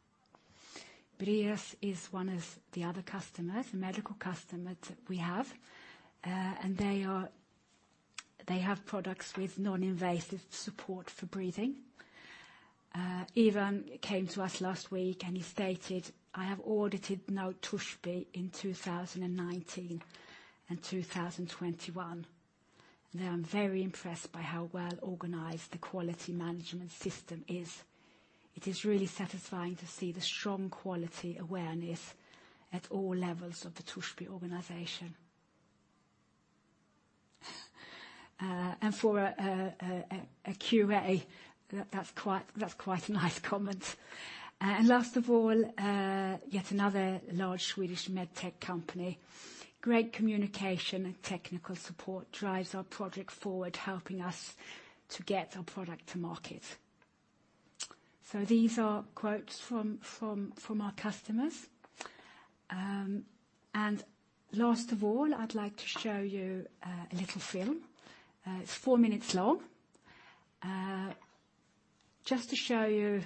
Speaker 4: Breas is one of the other customers, a medical customer that we have, and they have products with non-invasive support for breathing. Evan came to us last week, and he stated, "I have audited NOTE Torsby in 2019 and 2021. Now, I'm very impressed by how well-organized the quality management system is. It is really satisfying to see the strong quality awareness at all levels of the Torsby organization." And for a QA that's quite a nice comment. And last of all, yet another large Swedish medtech company. "Great communication and technical support drives our project forward, helping us to get our product to market." So these are quotes from our customers. And last of all, I'd like to show you a little film. It's four minutes long. Just to show you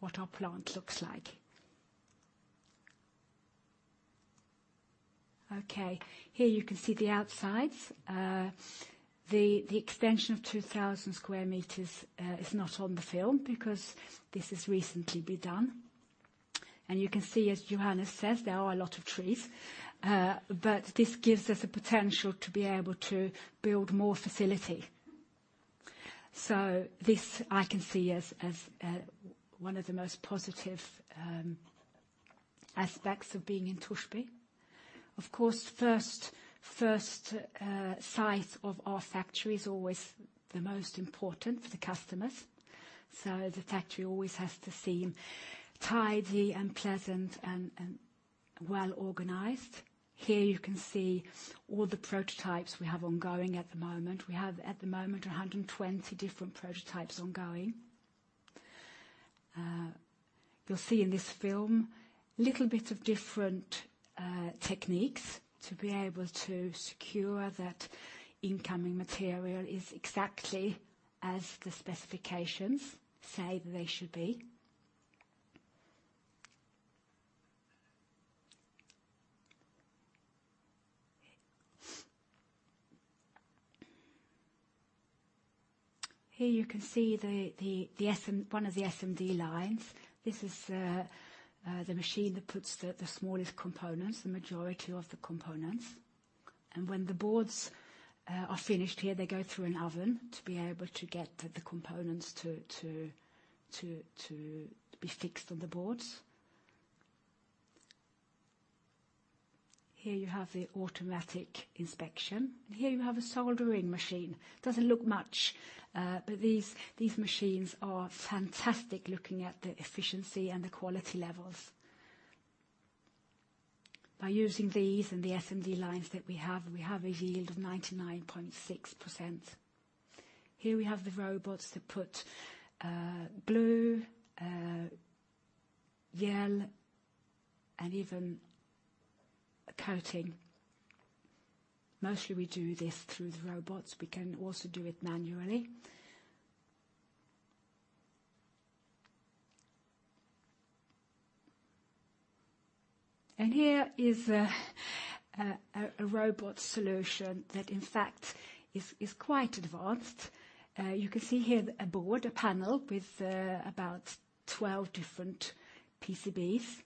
Speaker 4: what our plant looks like. Okay, here you can see the outside. The extension of 2,000 sq m is not on the film because this has recently been done. You can see, as Johannes says, there are a lot of trees. This gives us a potential to be able to build more facility. This I can see as one of the most positive aspects of being in Torsby. Of course, first sight of our factory is always the most important for the customers. The factory always has to seem tidy and pleasant and well organized. Here you can see all the prototypes we have ongoing at the moment. We have, at the moment, 120 different prototypes ongoing. You'll see in this film little bit of different techniques to be able to secure that incoming material is exactly as the specifications say they should be. Here you can see one of the SMD lines. This is the machine that puts the smallest components, the majority of the components. When the boards are finished here, they go through an oven to be able to get the components to be fixed on the boards. Here you have the automatic inspection. Here you have a soldering machine. Doesn't look much, but these machines are fantastic, looking at the efficiency and the quality levels. By using these and the SMD lines that we have, we have a yield of 99.6%. Here we have the robots that put blue yellow and even a coating. Mostly we do this through the robots. We can also do it manually. Here is a robot solution that, in fact, is quite advanced. You can see here a board, a panel with about 12 different PCBs.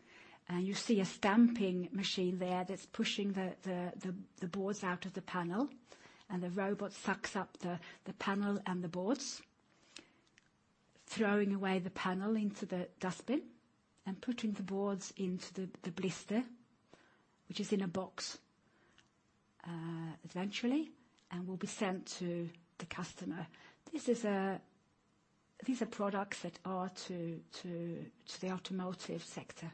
Speaker 4: You see a stamping machine there that's pushing the boards out of the panel, and the robot sucks up the panel and the boards, throwing away the panel into the dustbin and putting the boards into the blister, which is in a box, eventually, and will be sent to the customer. These are products that are to the automotive sector.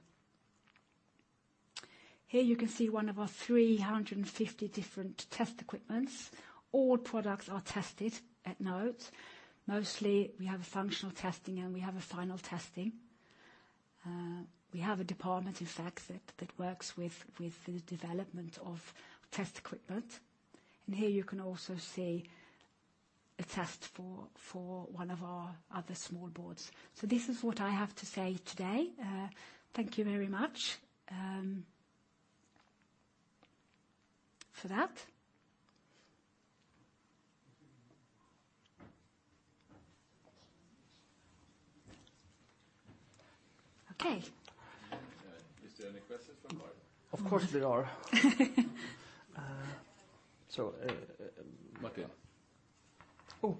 Speaker 4: Here you can see one of our 350 different test equipments. All products are tested at NOTE. Mostly we have a functional testing and we have a final testing. We have a department, in fact, that works with the development of test equipment. Here you can also see a test for one of our other small boards. This is what I have to say today. Thank you very much for that. Okay.
Speaker 2: Is there any questions for Karin Nichols?
Speaker 1: Of course there are.
Speaker 2: Martin.
Speaker 1: Oh,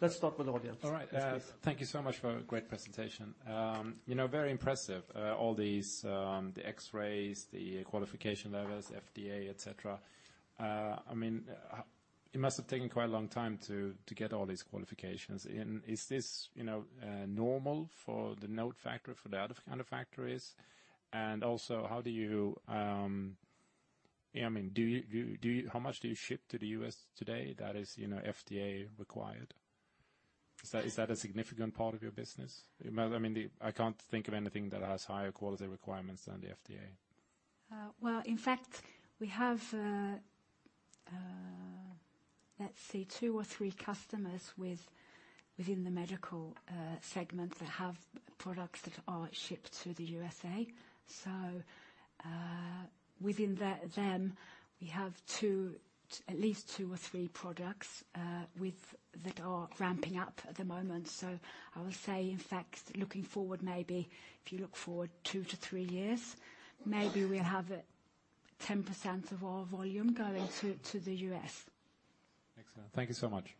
Speaker 1: let's start with audience.
Speaker 3: All right.
Speaker 1: Yes, please.
Speaker 3: Thank you so much for a great presentation. You know, very impressive, all these, the X-rays, the qualification levels, FDA, et cetera. I mean, it must have taken quite a long time to get all these qualifications. Is this, you know, normal for the NOTE factory, for the other kind of factories? Also how much do you ship to the U.S. today that is, you know, FDA required? Is that a significant part of your business? I mean, I can't think of anything that has higher quality requirements than the FDA.
Speaker 4: Well, in fact, we have, let's see, two or three customers within the medical segment that have products that are shipped to the USA. Within them, we have at least two or three products that are ramping up at the moment. I would say, in fact, looking forward, maybe if you look forward 2-3 years, maybe we'll have 10% of our volume going to the U.S.
Speaker 3: Excellent. Thank you so much.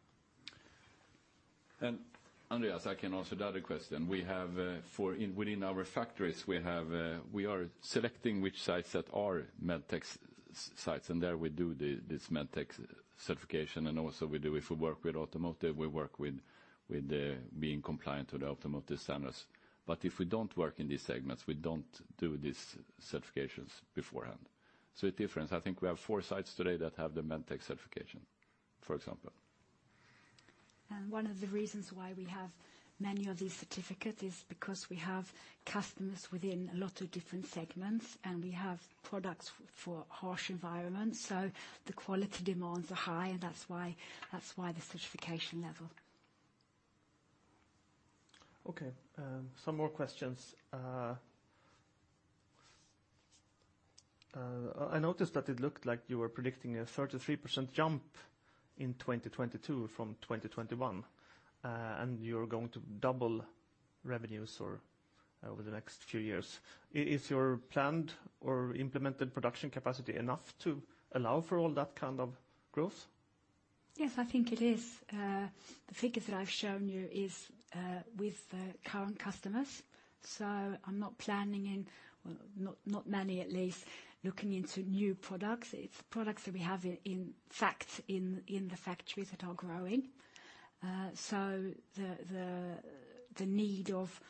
Speaker 2: Andreas, I can answer the other question. We have, within our factories, we have, we are selecting which sites that are Medtech sites, and there we do the this Medtech certification. Also we do, if we work with automotive, we work with the being compliant to the automotive standards. If we don't work in these segments, we don't do these certifications beforehand. A difference, I think we have four sites today that have the Medtech certification, for example.
Speaker 4: One of the reasons why we have many of these certificates is because we have customers within a lot of different segments, and we have products for harsh environments, so the quality demands are high, and that's why the certification level.
Speaker 1: Okay. Some more questions. I noticed that it looked like you were predicting a 33% jump in 2022 from 2021, and you're going to double revenues for over the next few years. Is your planned or implemented production capacity enough to allow for all that kind of growth?
Speaker 4: Yes, I think it is. The figures that I've shown you is with the current customers, so I'm not planning in, well, not many at least, looking into new products. It's products that we have in fact, in the factories that are growing. So the need of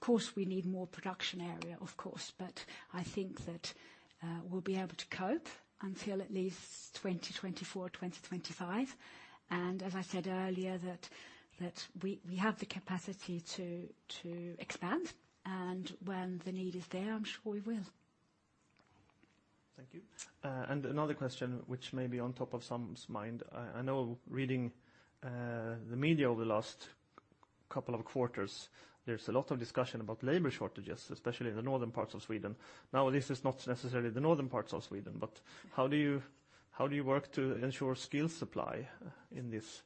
Speaker 4: course, we need more production area, of course. I think that we'll be able to cope until at least 2024, 2025. As I said earlier, that we have the capacity to expand, and when the need is there, I'm sure we will.
Speaker 1: Thank you. Another question which may be on top of someone's mind. I know reading the media over the last couple of quarters, there's a lot of discussion about labor shortages, especially in the northern parts of Sweden. Now, this is not necessarily the northern parts of Sweden, but how do you work to ensure skill supply in this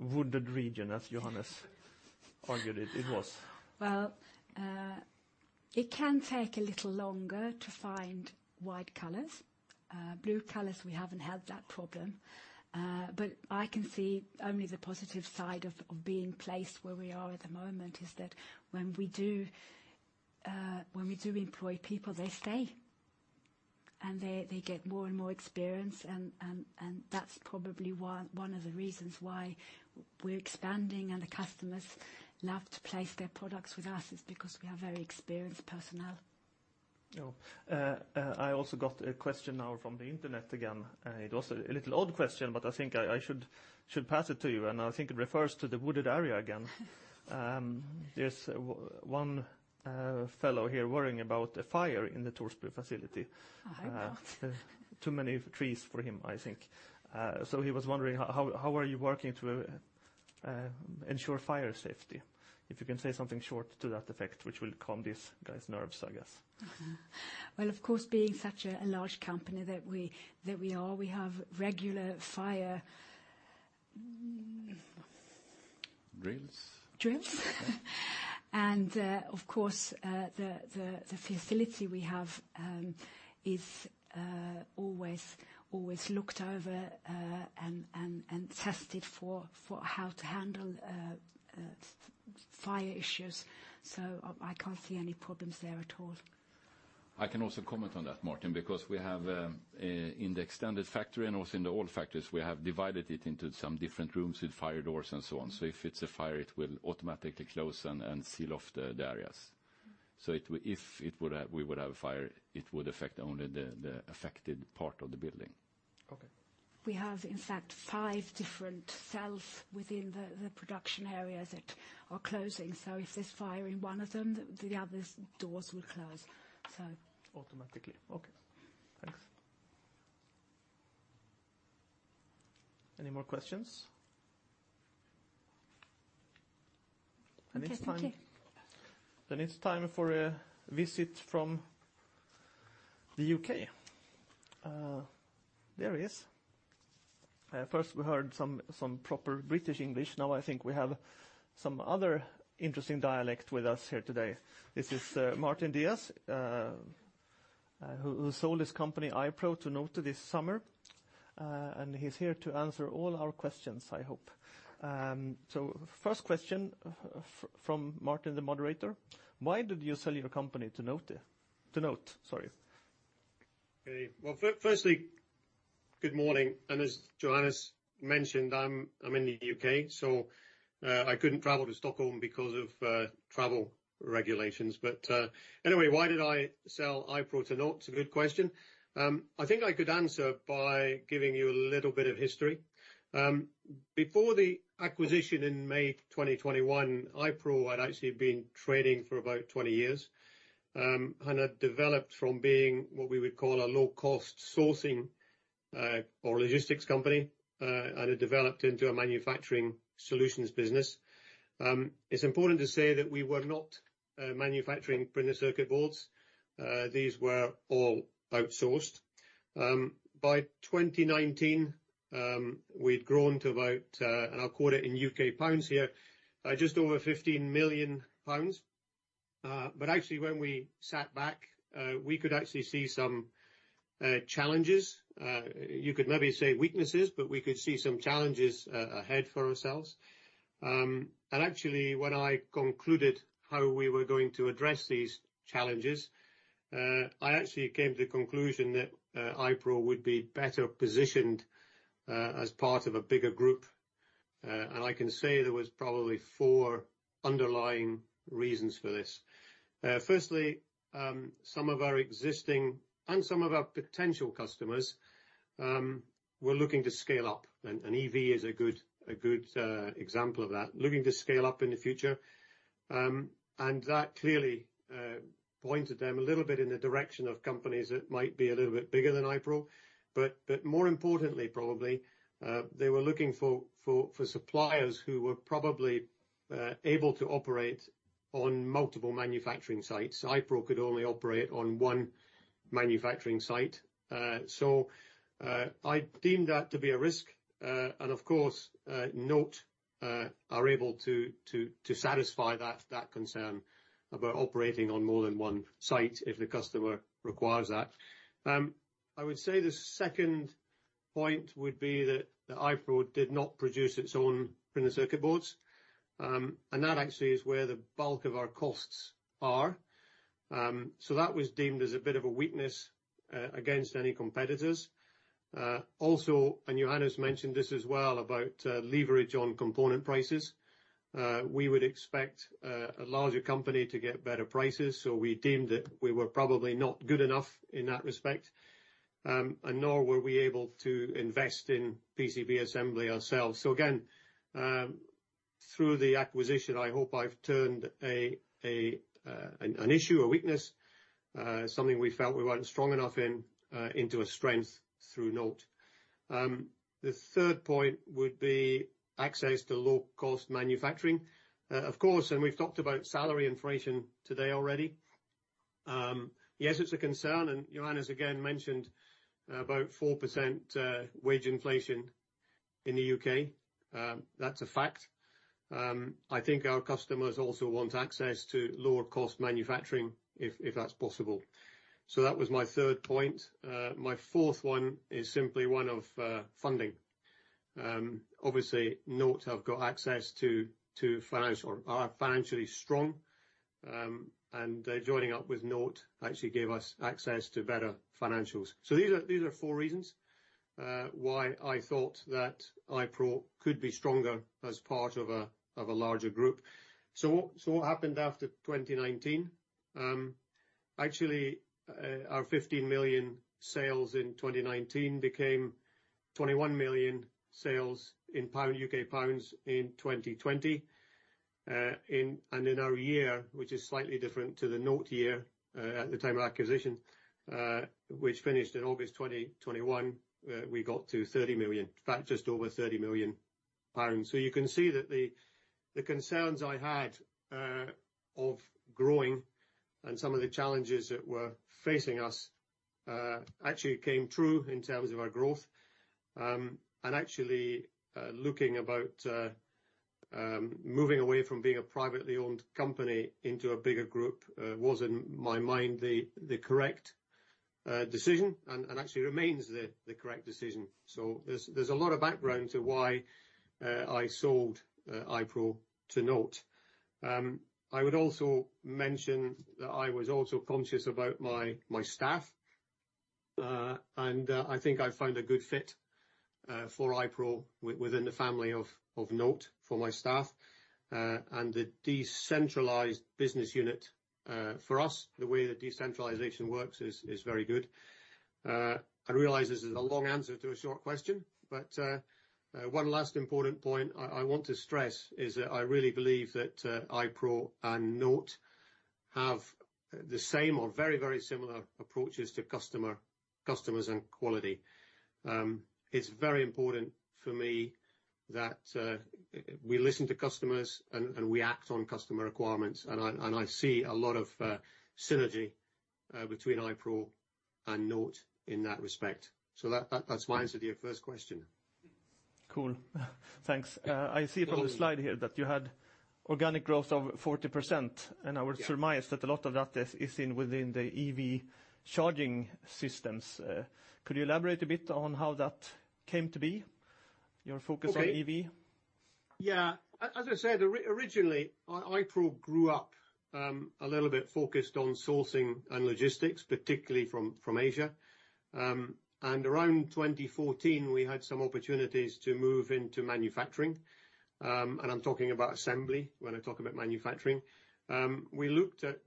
Speaker 1: wooded region, as Johannes argued it was?
Speaker 4: Well, it can take a little longer to find white colors. Blue colors, we haven't had that problem. But I can see only the positive side of being placed where we are at the moment is that when we do employ people, they stay, and they get more and more experience, and that's probably one of the reasons why we're expanding and the customers love to place their products with us, is because we have very experienced personnel.
Speaker 1: I also got a question now from the internet again. It was a little odd question, but I think I should pass it to you, and I think it refers to the wooded area again. There's one fellow here worrying about a fire in the Torsby facility.
Speaker 4: I hope not.
Speaker 1: Too many trees for him, I think. He was wondering how are you working to ensure fire safety? If you can say something short to that effect, which will calm this guy's nerves, I guess.
Speaker 4: Well, of course, being such a large company that we are, we have regular fire.
Speaker 2: Drills?
Speaker 4: Drills. Of course, the facility we have is always looked over and tested for how to handle fire issues. I can't see any problems there at all.
Speaker 2: I can also comment on that, Martin. Because we have in the extended factory and also in the old factories, we have divided it into some different rooms with fire doors and so on. If it's a fire, it will automatically close and seal off the areas. If we would have a fire, it would affect only the affected part of the building.
Speaker 1: Okay.
Speaker 4: We have, in fact, five different cells within the production areas that are closing. If there's fire in one of them, the others' doors will close.
Speaker 1: Automatically. Okay. Thanks. Any more questions?
Speaker 4: Okay. Thank you.
Speaker 1: It's time for a visit from the U.K. There he is. First we heard some proper British English. Now I think we have some other interesting dialect with us here today. This is Martin Deas, who sold his company, iPRO, to NOTE this summer. He's here to answer all our questions, I hope. First question from Martin, the moderator: Why did you sell your company to NOTE?
Speaker 5: Okay. Well, firstly, good morning. As Johannes mentioned, I'm in the U.K., so I couldn't travel to Stockholm because of travel regulations. Anyway, why did I sell iPRO to NOTE? It's a good question. I think I could answer by giving you a little bit of history. Before the acquisition in May 2021, iPRO had actually been trading for about 20 years, and had developed from being what we would call a low-cost sourcing or logistics company, and had developed into a manufacturing solutions business. It's important to say that we were not manufacturing printed circuit boards. These were all outsourced. By 2019, we'd grown to about, and I'll quote it in U.K. pounds here, just over 15 million pounds. Actually when we sat back, we could actually see some challenges. You could maybe say weaknesses, but we could see some challenges ahead for ourselves. Actually, when I concluded how we were going to address these challenges, I actually came to the conclusion that iPRO would be better positioned as part of a bigger group. I can say there was probably four underlying reasons for this. Firstly, some of our existing and some of our potential customers were looking to scale up, and EV is a good example of that, looking to scale up in the future, and that clearly pointed them a little bit in the direction of companies that might be a little bit bigger than iPRO. More importantly, probably, they were looking for suppliers who were probably able to operate on multiple manufacturing sites. iPRO could only operate on one manufacturing site. I deemed that to be a risk. Of course, NOTE are able to satisfy that concern about operating on more than one site if the customer requires that. I would say the second point would be that the iPRO did not produce its own printed circuit boards, and that actually is where the bulk of our costs are. That was deemed as a bit of a weakness against any competitors. Also, Johannes mentioned this as well, about leverage on component prices. We would expect a larger company to get better prices, so we deemed that we were probably not good enough in that respect, and nor were we able to invest in PCB assembly ourselves. Through the acquisition, I hope I've turned an issue, a weakness, something we felt we weren't strong enough in, into a strength through NOTE. The third point would be access to low-cost manufacturing. Of course, we've talked about salary inflation today already. Yes, it's a concern, and Johannes again mentioned about 4% wage inflation in the U.K. That's a fact. I think our customers also want access to lower cost manufacturing if that's possible. That was my third point. My fourth one is simply one of funding. Obviously NOTE have got access to financial or are financially strong, and joining up with NOTE actually gave us access to better financials. These are four reasons why I thought that iPRO could be stronger as part of a larger group. What happened after 2019, actually, our 15 million sales in 2019 became 21 million sales in 2020. In our year, which is slightly different to the NOTE year, at the time of acquisition, which finished in August 2021, we got to 30 million. In fact, just over 30 million pounds. You can see that the concerns I had of growing and some of the challenges that were facing us actually came true in terms of our growth. Actually, looking about moving away from being a privately owned company into a bigger group was in my mind the correct decision and actually remains the correct decision. There's a lot of background to why I sold iPRO to NOTE. I would also mention that I was also conscious about my staff. I think I found a good fit for iPRO within the family of NOTE for my staff. The decentralized business unit for us, the way that decentralization works is very good. I realize this is a long answer to a short question, but one last important point I want to stress is that I really believe that iPRO and NOTE have the same or very, very similar approaches to customers and quality. It's very important for me that we listen to customers and we act on customer requirements. I see a lot of synergy between iPRO and NOTE in that respect. That's my answer to your first question.
Speaker 1: Cool. Thanks.
Speaker 5: No worries.
Speaker 1: I see from the slide here that you had organic growth of 40%.
Speaker 5: Yeah.
Speaker 1: I would surmise that a lot of that is within the EV charging systems. Could you elaborate a bit on how that came to be, your focus on EV?
Speaker 5: As I said, originally, iPRO grew up a little bit focused on sourcing and logistics, particularly from Asia. Around 2014, we had some opportunities to move into manufacturing. I'm talking about assembly when I talk about manufacturing. We looked at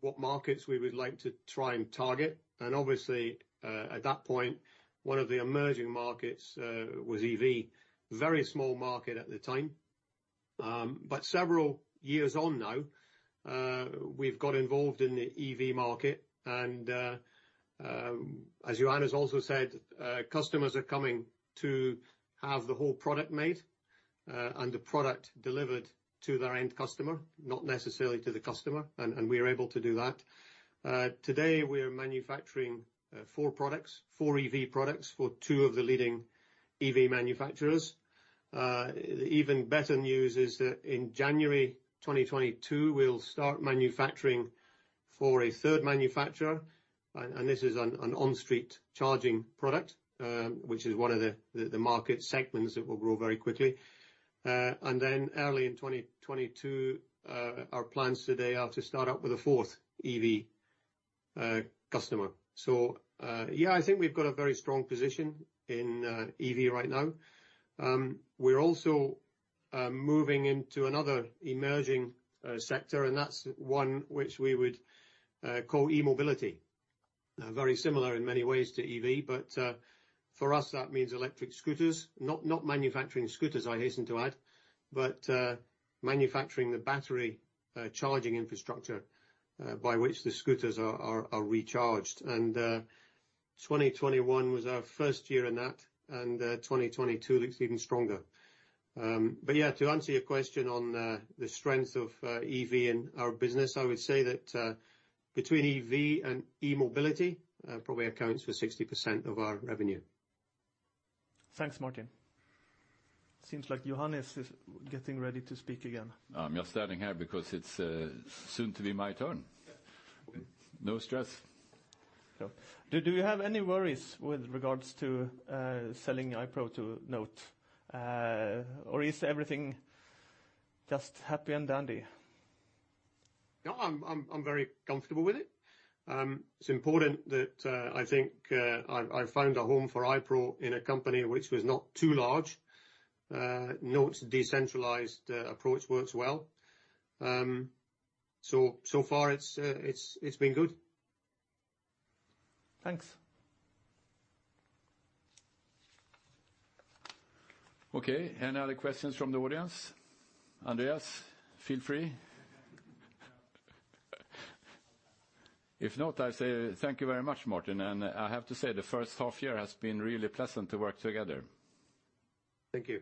Speaker 5: what markets we would like to try and target. Obviously, at that point, one of the emerging markets was EV. Very small market at the time. Several years on now, we've got involved in the EV market. As Johannes also said, customers are coming to have the whole product made, and the product delivered to their end customer, not necessarily to the customer, and we are able to do that. Today we are manufacturing four products, four EV products for two of the leading EV manufacturers. Even better news is that in January 2022, we'll start manufacturing for a third manufacturer. This is an on-street charging product, which is one of the market segments that will grow very quickly. Then early in 2022, our plans today are to start up with a fourth EV customer. Yeah, I think we've got a very strong position in EV right now. We're also moving into another emerging sector, and that's one which we would call e-mobility. Very similar in many ways to EV, but for us, that means electric scooters. Not manufacturing scooters, I hasten to add, but manufacturing the battery charging infrastructure by which the scooters are recharged. 2021 was our first year in that, and 2022 looks even stronger. Yeah, to answer your question on the strength of EV in our business, I would say that between EV and e-mobility probably accounts for 60% of our revenue.
Speaker 1: Thanks, Martin. Seems like Johannes is getting ready to speak again.
Speaker 2: I'm just standing here because it's soon to be my turn. No stress.
Speaker 1: Do you have any worries with regards to selling iPRO to NOTE? Is everything just happy and dandy?
Speaker 5: No, I'm very comfortable with it. It's important that I think I've found a home for iPRO in a company which was not too large. NOTE's decentralized approach works well. So far it's been good.
Speaker 1: Thanks.
Speaker 2: Okay. Any other questions from the audience? Andreas, feel free. If not, I say thank you very much, Martin. I have to say, the first half year has been really pleasant to work together.
Speaker 5: Thank you.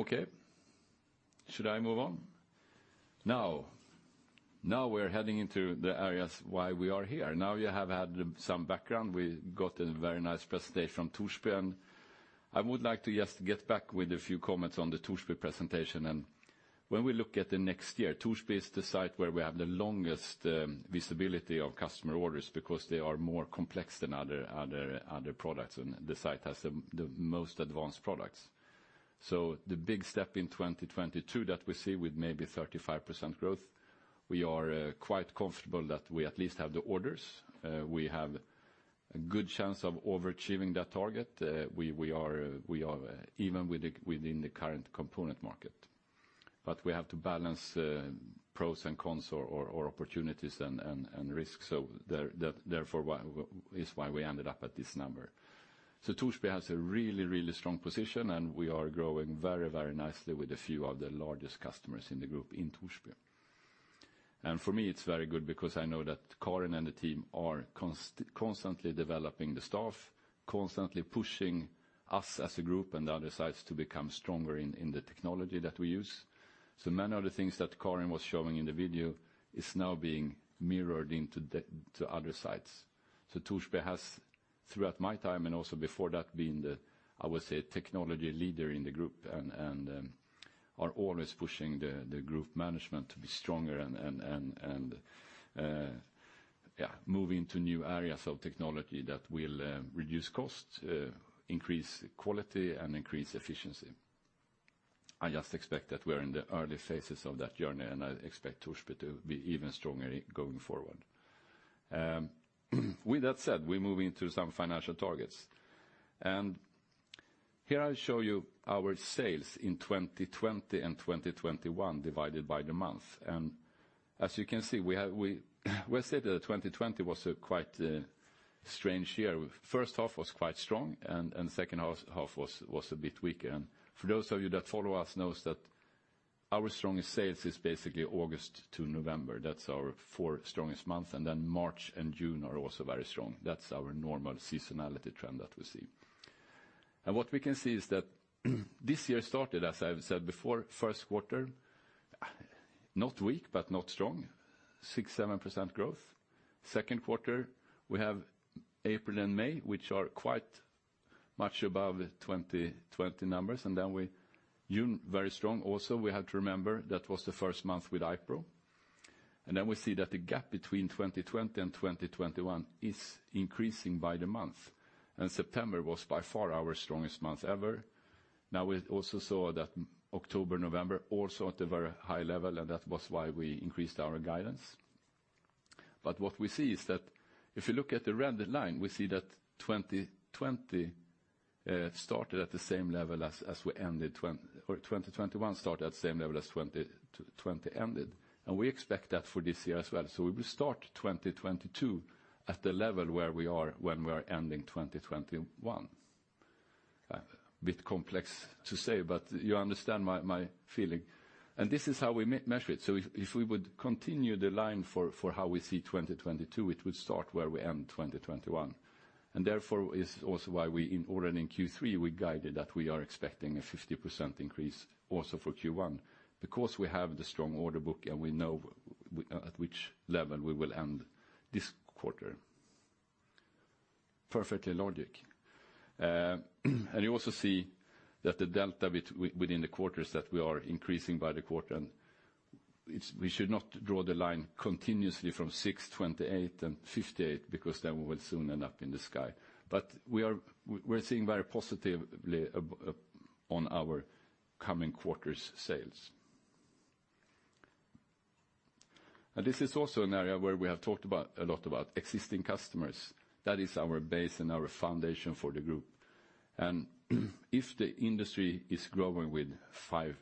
Speaker 2: Okay. Should I move on? Now we're heading into the areas why we are here. Now you have had some background. We got a very nice presentation from Torsby, and I would like to just get back with a few comments on the Torsby presentation. When we look at the next year, Torsby is the site where we have the longest visibility of customer orders because they are more complex than other products, and the site has the most advanced products. The big step in 2022 that we see with maybe 35% growth, we are quite comfortable that we at least have the orders. We have a good chance of overachieving that target. We are even within the current component market. We have to balance pros and cons or opportunities and risks. That's why we ended up at this number. Torsby has a really strong position, and we are growing very nicely with a few of the largest customers in the group in Torsby. For me, it's very good because I know that Karin and the team are constantly developing the staff, constantly pushing us as a group and the other sites to become stronger in the technology that we use. Many of the things that Karin was showing in the video is now being mirrored into the other sites. Torsby has, throughout my time and also before that, been the, I would say, technology leader in the group and are always pushing the group management to be stronger and move into new areas of technology that will reduce costs, increase quality, and increase efficiency. I just expect that we're in the early phases of that journey, and I expect Torsby to be even stronger going forward. With that said, we move into some financial targets. Here I show you our sales in 2020 and 2021 divided by the month. As you can see, we said that 2020 was a quite strange year. First half was quite strong and second half was a bit weaker. For those of you that follow us knows that our strongest sales is basically August to November. That's our four strongest months, and then March and June are also very strong. That's our normal seasonality trend that we see. What we can see is that this year started, as I've said before, first quarter, not weak, but not strong, 6%-7% growth. Second quarter, we have April and May, which are quite much above 2020 numbers, and then June, very strong also. We have to remember that was the first month with iPRO. Then we see that the gap between 2020 and 2021 is increasing by the month. September was by far our strongest month ever. Now, we also saw that October, November also at a very high level, and that was why we increased our guidance. What we see is that if you look at the red line, we see that 2021 started at the same level as 2020 ended. We expect that for this year as well. We will start 2022 at the level where we are when we are ending 2021. A bit complex to say, but you understand my feeling. This is how we measure it. If we would continue the line for how we see 2022, it would start where we end 2021. Therefore is also why we already in Q3, we guided that we are expecting a 50% increase also for Q1, because we have the strong order book, and we know at which level we will end this quarter. Perfectly logical. You also see that the delta within the quarters, that we are increasing by the quarter, and it's we should not draw the line continuously from six, 28, and 58, because then we will soon end up in the sky. We are seeing very positively on our coming quarters' sales. This is also an area where we have talked a lot about existing customers. That is our base and our foundation for the group. If the industry is growing with 5%+,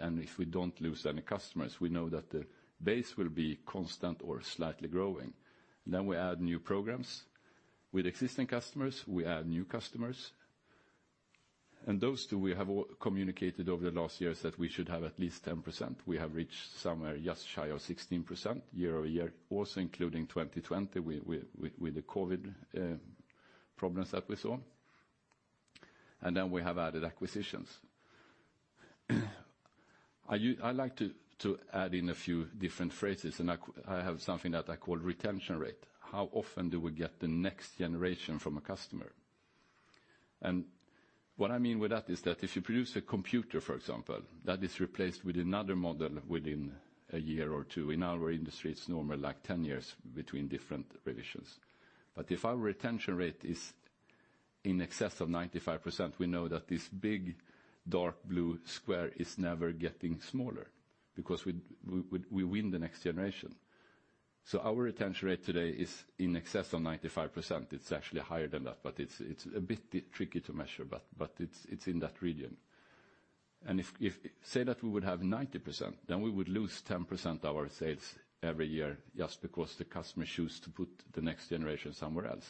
Speaker 2: and if we don't lose any customers, we know that the base will be constant or slightly growing. We add new programs. With existing customers, we add new customers. Those two we have all communicated over the last years that we should have at least 10%. We have reached somewhere just shy of 16% year-over-year, also including 2020 with the COVID problems that we saw. Then we have added acquisitions. I like to add in a few different phrases, and I have something that I call retention rate. How often do we get the next generation from a customer? What I mean with that is that if you produce a computer, for example, that is replaced with another model within a year or two. In our industry, it's normally like 10 years between different revisions. If our retention rate is in excess of 95%, we know that this big dark blue square is never getting smaller because we win the next generation. Our retention rate today is in excess of 95%. It's actually higher than that, but it's a bit tricky to measure, but it's in that region. Say that we would have 90%, then we would lose 10% of our sales every year just because the customer choose to put the next generation somewhere else.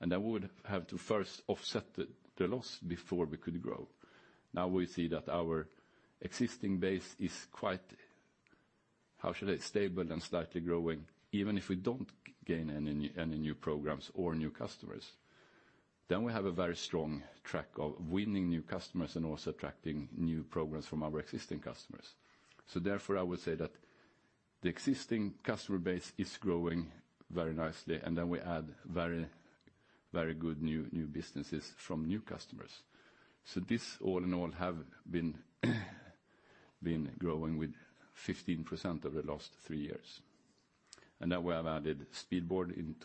Speaker 2: We would have to first offset the loss before we could grow. Now we see that our existing base is quite, how should I say, stable and slightly growing, even if we don't gain any new programs or new customers. We have a very strong track of winning new customers and also attracting new programs from our existing customers. Therefore, I would say that the existing customer base is growing very nicely, and then we add very good new businesses from new customers. This all in all have been growing with 15% over the last three years. Now we have added Speedboard in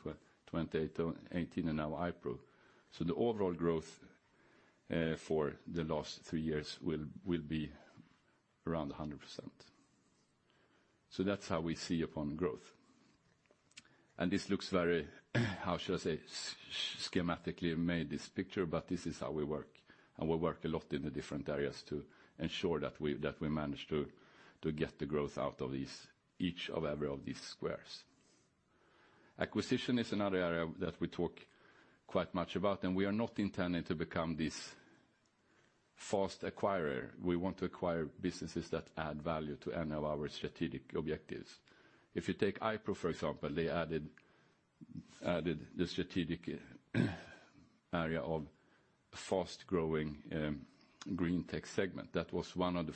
Speaker 2: 2018 and iPRO. The overall growth for the last three years will be around 100%. That's how we see upon growth. This looks very, how should I say, schematically made, this picture, but this is how we work. We work a lot in the different areas to ensure that we manage to get the growth out of each of every of these squares. Acquisition is another area that we talk quite much about, and we are not intending to become this fast acquirer. We want to acquire businesses that add value to any of our strategic objectives. If you take iPRO, for example, they added the strategic area of fast-growing Greentech segment. That was one of the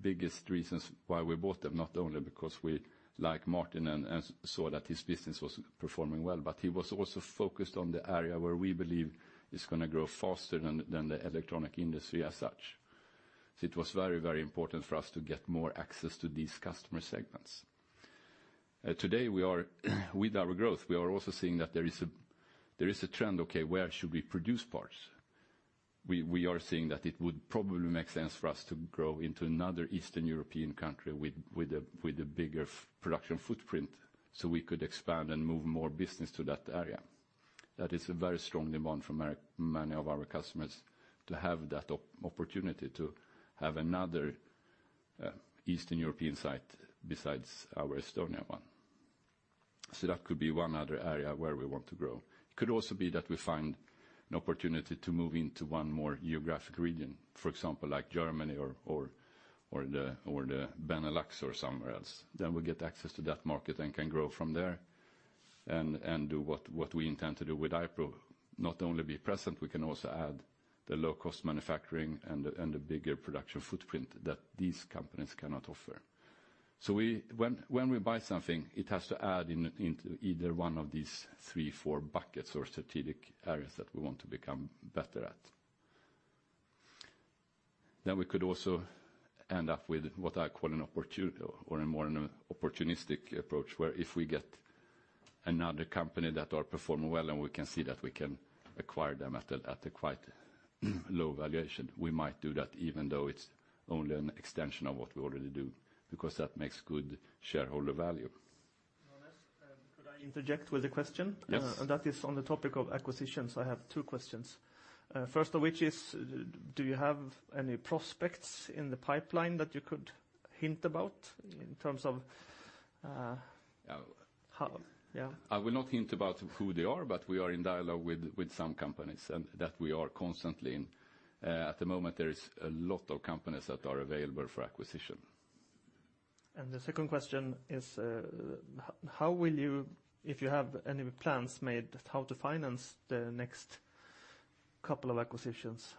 Speaker 2: biggest reasons why we bought them, not only because we like Martin and saw that his business was performing well, but he was also focused on the area where we believe is gonna grow faster than the electronics industry as such. It was very important for us to get more access to these customer segments. Today, with our growth, we are also seeing that there is a trend, okay, where should we produce parts? We are seeing that it would probably make sense for us to grow into another Eastern European country with a bigger production footprint, so we could expand and move more business to that area. That is a very strong demand from our many of our customers to have that opportunity to have another Eastern European site besides our Estonia one. That could be one other area where we want to grow. It could also be that we find an opportunity to move into one more geographic region, for example, like Germany or the Benelux or somewhere else. Then we get access to that market and can grow from there and do what we intend to do with iPRO. Not only be present, we can also add the low-cost manufacturing and the bigger production footprint that these companies cannot offer. When we buy something, it has to add into either one of these three or four buckets or strategic areas that we want to become better at. We could also end up with what I call or a more an opportunistic approach, where if we get another company that are performing well and we can see that we can acquire them at a quite low valuation, we might do that even though it's only an extension of what we already do, because that makes good shareholder value.
Speaker 1: Johannes, could I interject with a question?
Speaker 2: Yes.
Speaker 1: That is on the topic of acquisitions. I have two questions. First of which is, do you have any prospects in the pipeline that you could hint about.
Speaker 2: I will not hint about who they are, but we are in dialogue with some companies, and that we are constantly in. At the moment, there is a lot of companies that are available for acquisition.
Speaker 1: The second question is, how will you, if you have any plans made, how to finance the next couple of acquisitions?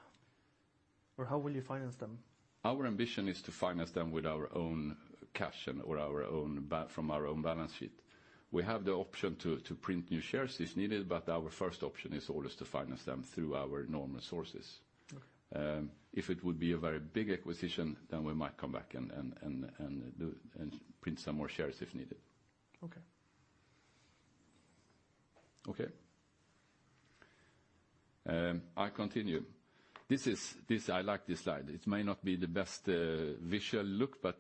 Speaker 1: Or how will you finance them?
Speaker 2: Our ambition is to finance them with our own cash and/or from our own balance sheet. We have the option to print new shares as needed, but our first option is always to finance them through our normal sources.
Speaker 1: Okay.
Speaker 2: If it would be a very big acquisition, then we might come back and print some more shares if needed.
Speaker 1: Okay.
Speaker 2: Okay. I continue. This I like this slide. It may not be the best visual look, but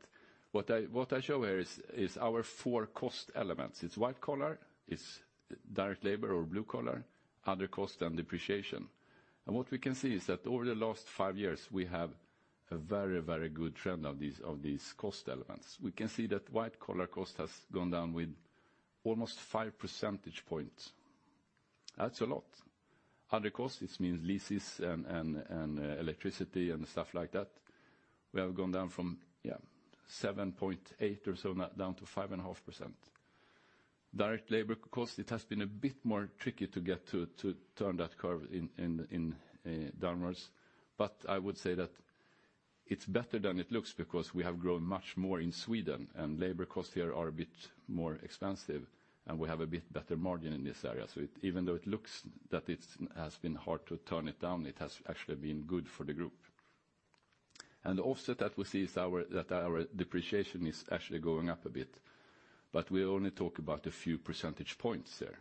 Speaker 2: what I show here is our four cost elements. It's white collar, it's direct labor or blue collar, other cost and depreciation. What we can see is that over the last five years, we have a very good trend of these cost elements. We can see that white collar cost has gone down with almost five percentage points. That's a lot. Other costs, this means leases and electricity and stuff like that, we have gone down from 7.8% or so down to 5.5%. Direct labor costs, it has been a bit more tricky to get to turn that curve downwards. I would say that it's better than it looks because we have grown much more in Sweden, and labor costs here are a bit more expensive, and we have a bit better margin in this area. Even though it looks that it has been hard to turn it around, it has actually been good for the group. The offset that we see is that our depreciation is actually going up a bit, but we only talk about a few percentage points there.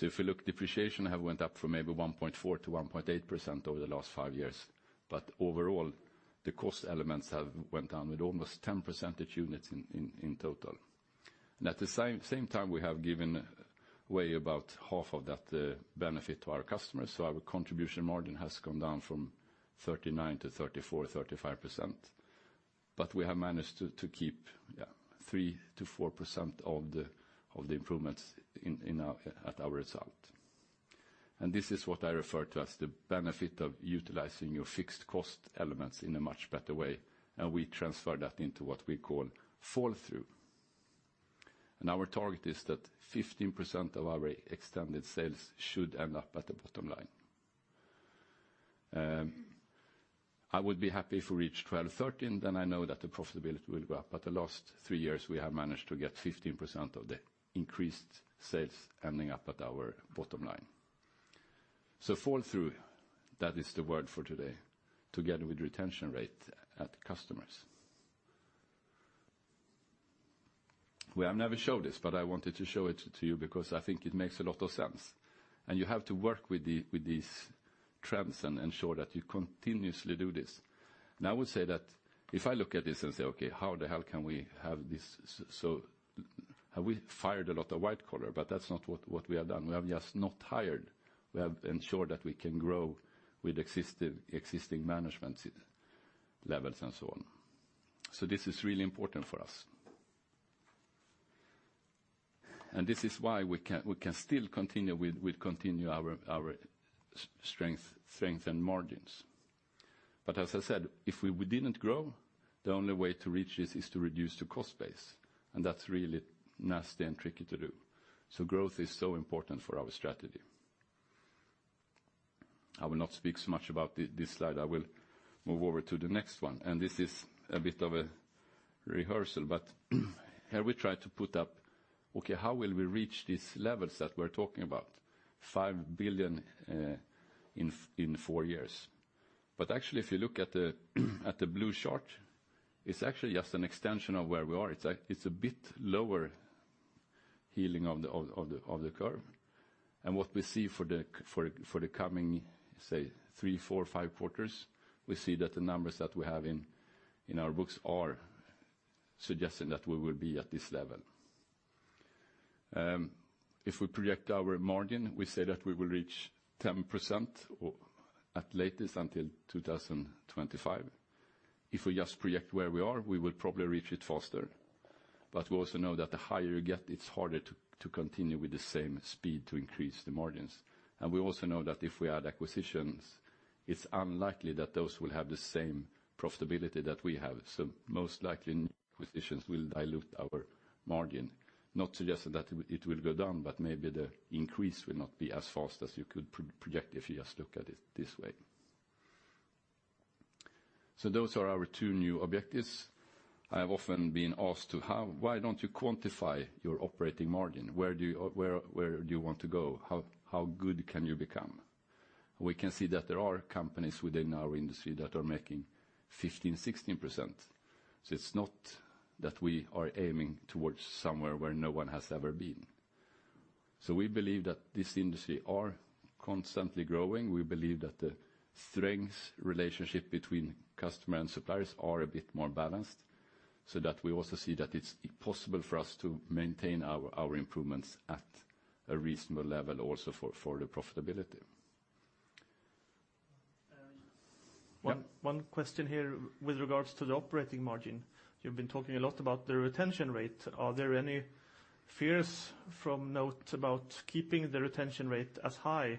Speaker 2: If you look, depreciation have went up from maybe 1.4%-1.8% over the last five years. Overall, the cost elements have went down with almost 10 percentage points in total. At the same time, we have given way about half of that benefit to our customers, so our contribution margin has gone down from 39% to 34%, 35%. We have managed to keep 3%-4% of the improvements in our result. This is what I refer to as the benefit of utilizing your fixed cost elements in a much better way, and we transfer that into what we call fall-through. Our target is that 15% of our extended sales should end up at the bottom line. I would be happy if we reach 12-13, then I know that the profitability will go up. The last three years, we have managed to get 15% of the increased sales ending up at our bottom line. Fall-through, that is the word for today, together with retention rate at customers. We have never showed this, but I wanted to show it to you because I think it makes a lot of sense. You have to work with these trends and ensure that you continuously do this. I would say that if I look at this and say, "Okay, how the hell can we have this?" Have we fired a lot of white collar? That's not what we have done. We have just not hired. We have ensured that we can grow with existing management levels and so on. This is really important for us. This is why we can still continue with continue our strength and margins. As I said, if we didn't grow, the only way to reach this is to reduce the cost base, and that's really nasty and tricky to do. Growth is so important for our strategy. I will not speak so much about this slide. I will move over to the next one. This is a bit of a rehearsal, but here we try to put up, okay, how will we reach these levels that we're talking about, 5 billion in four years? Actually, if you look at the blue chart, it's actually just an extension of where we are. It's a bit lower leaning of the curve. What we see for the coming, say, three, four, five quarters, we see that the numbers that we have in our books are suggesting that we will be at this level. If we project our margin, we say that we will reach 10% or at latest until 2025. If we just project where we are, we will probably reach it faster. We also know that the higher you get, it's harder to continue with the same speed to increase the margins. We also know that if we add acquisitions, it's unlikely that those will have the same profitability that we have. Most likely, new acquisitions will dilute our margin. Not suggesting that it will go down, but maybe the increase will not be as fast as you could project if you just look at it this way. Those are our two new objectives. I have often been asked why don't you quantify your operating margin? Where do you want to go? How good can you become? We can see that there are companies within our industry that are making 15%-16%. It's not that we are aiming towards somewhere where no one has ever been. We believe that this industry are constantly growing. We believe that the strengthening relationship between customer and suppliers are a bit more balanced, so that we also see that it's possible for us to maintain our improvements at a reasonable level also for the profitability.
Speaker 1: Um-
Speaker 2: Yeah.
Speaker 1: One question here with regards to the operating margin. You've been talking a lot about the retention rate. Are there any fears from NOTE about keeping the retention rate as high,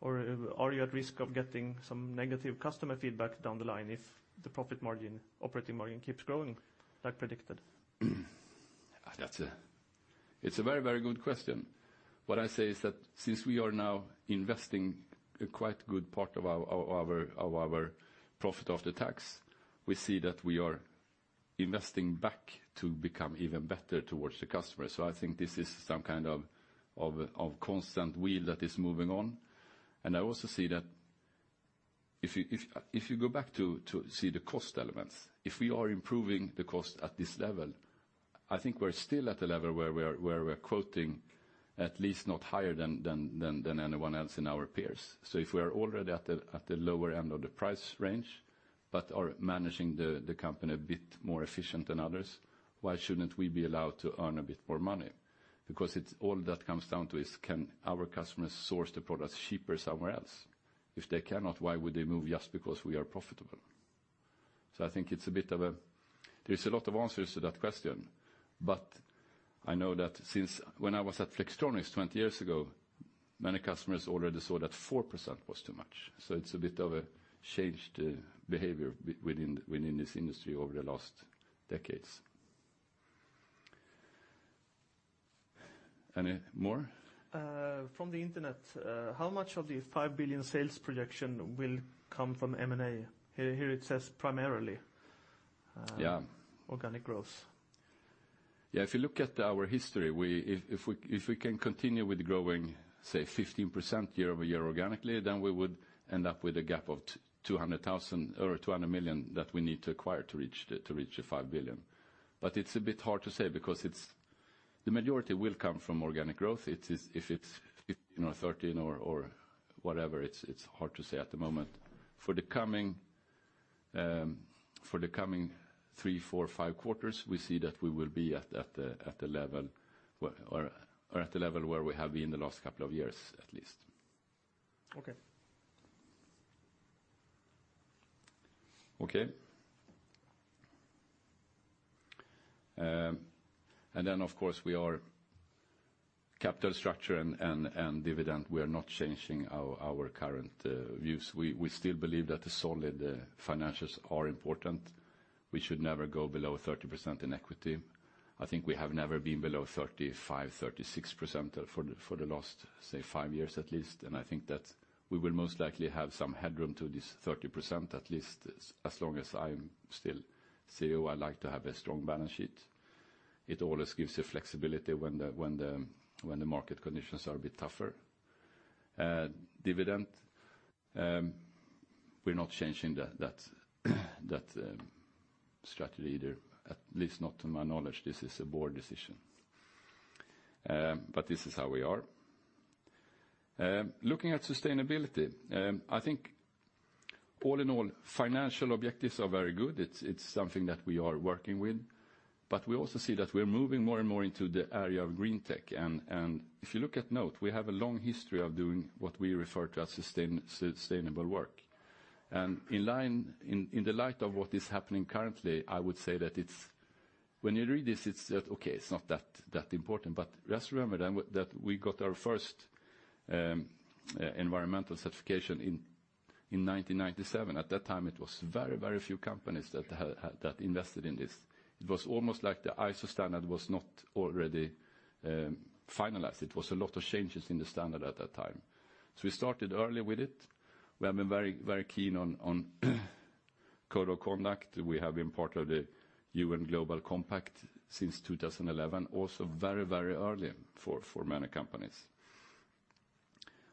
Speaker 1: or are you at risk of getting some negative customer feedback down the line if the profit margin, operating margin keeps growing like predicted?
Speaker 2: It's a very, very good question. What I say is that since we are now investing a quite good part of our profit after tax, we see that we are investing back to become even better towards the customer. I think this is some kind of constant wheel that is moving on. I also see that. If you go back to see the cost elements, if we are improving the cost at this level, I think we're still at a level where we are quoting at least not higher than anyone else in our peers. If we are already at the lower end of the price range, but are managing the company a bit more efficient than others, why shouldn't we be allowed to earn a bit more money? Because it's all that comes down to is can our customers source the products cheaper somewhere else? If they cannot, why would they move just because we are profitable? I think it's a bit of a. There's a lot of answers to that question, but I know that since when I was at Flextronics 20 years ago, many customers already saw that 4% was too much. It's a bit of a changed behavior within this industry over the last decades. Any more?
Speaker 1: From the internet, how much of the 5 billion sales projection will come from M&A? Here it says primarily.
Speaker 2: Yeah.
Speaker 1: organic growth.
Speaker 2: Yeah, if you look at our history, if we can continue with growing, say 15% year-over-year organically, then we would end up with a gap of 200,000 or 200 million that we need to acquire to reach the five billion. It's a bit hard to say because the majority will come from organic growth. If it's 15 or 13 or whatever, it's hard to say at the moment. For the coming three, four, five quarters, we see that we will be at the level where we have been the last couple of years, at least.
Speaker 1: Okay.
Speaker 2: Okay. Of course, we are capital structure and dividend. We are not changing our current views. We still believe that the solid financials are important. We should never go below 30% in equity. I think we have never been below 35%-36% for the last, say five years at least. I think that we will most likely have some headroom to this 30% at least as long as I'm still CEO. I like to have a strong balance sheet. It always gives the flexibility when the market conditions are a bit tougher. Dividend, we're not changing that strategy either, at least not to my knowledge. This is a board decision. This is how we are. Looking at sustainability, I think all in all, financial objectives are very good. It's something that we are working with. We also see that we're moving more and more into the area of green tech. If you look at NOTE, we have a long history of doing what we refer to as sustainable work. In the light of what is happening currently, I would say that when you read this, it's not that important. Just remember that we got our first environmental certification in 1997. At that time, it was very few companies that had invested in this. It was almost like the ISO standard was not already finalized. It was a lot of changes in the standard at that time. We started early with it. We have been very keen on code of conduct. We have been part of the UN Global Compact since 2011, also very early for many companies.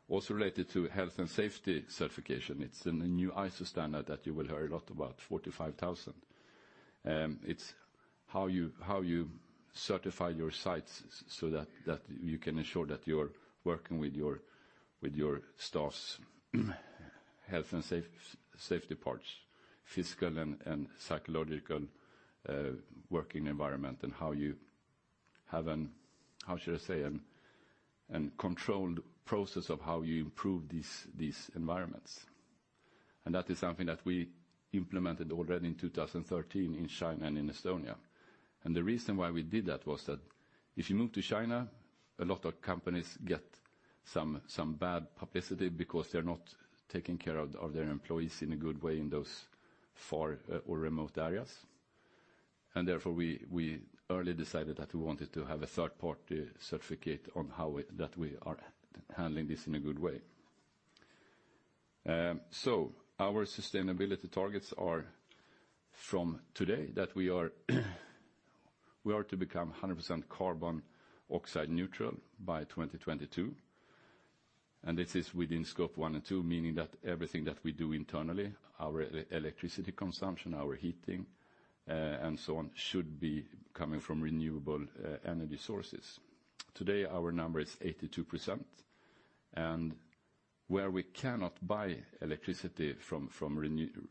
Speaker 2: Also related to health and safety certification. It's in a new ISO standard that you will hear a lot about, ISO 45001. It's how you certify your sites so that you can ensure that you're working with your staff's health and safety, physical and psychological working environment, and how you have a controlled process of how you improve these environments. That is something that we implemented already in 2013 in China and in Estonia. The reason why we did that was that if you move to China, a lot of companies get some bad publicity because they're not taking care of their employees in a good way in those far or remote areas. Therefore, we early decided that we wanted to have a third-party certificate on that we are handling this in a good way. Our sustainability targets are from today that we are to become 100% carbon dioxide neutral by 2022. This is within Scope 1 and 2, meaning that everything that we do internally, our electricity consumption, our heating, and so on, should be coming from renewable energy sources. Today, our number is 82%. Where we cannot buy electricity from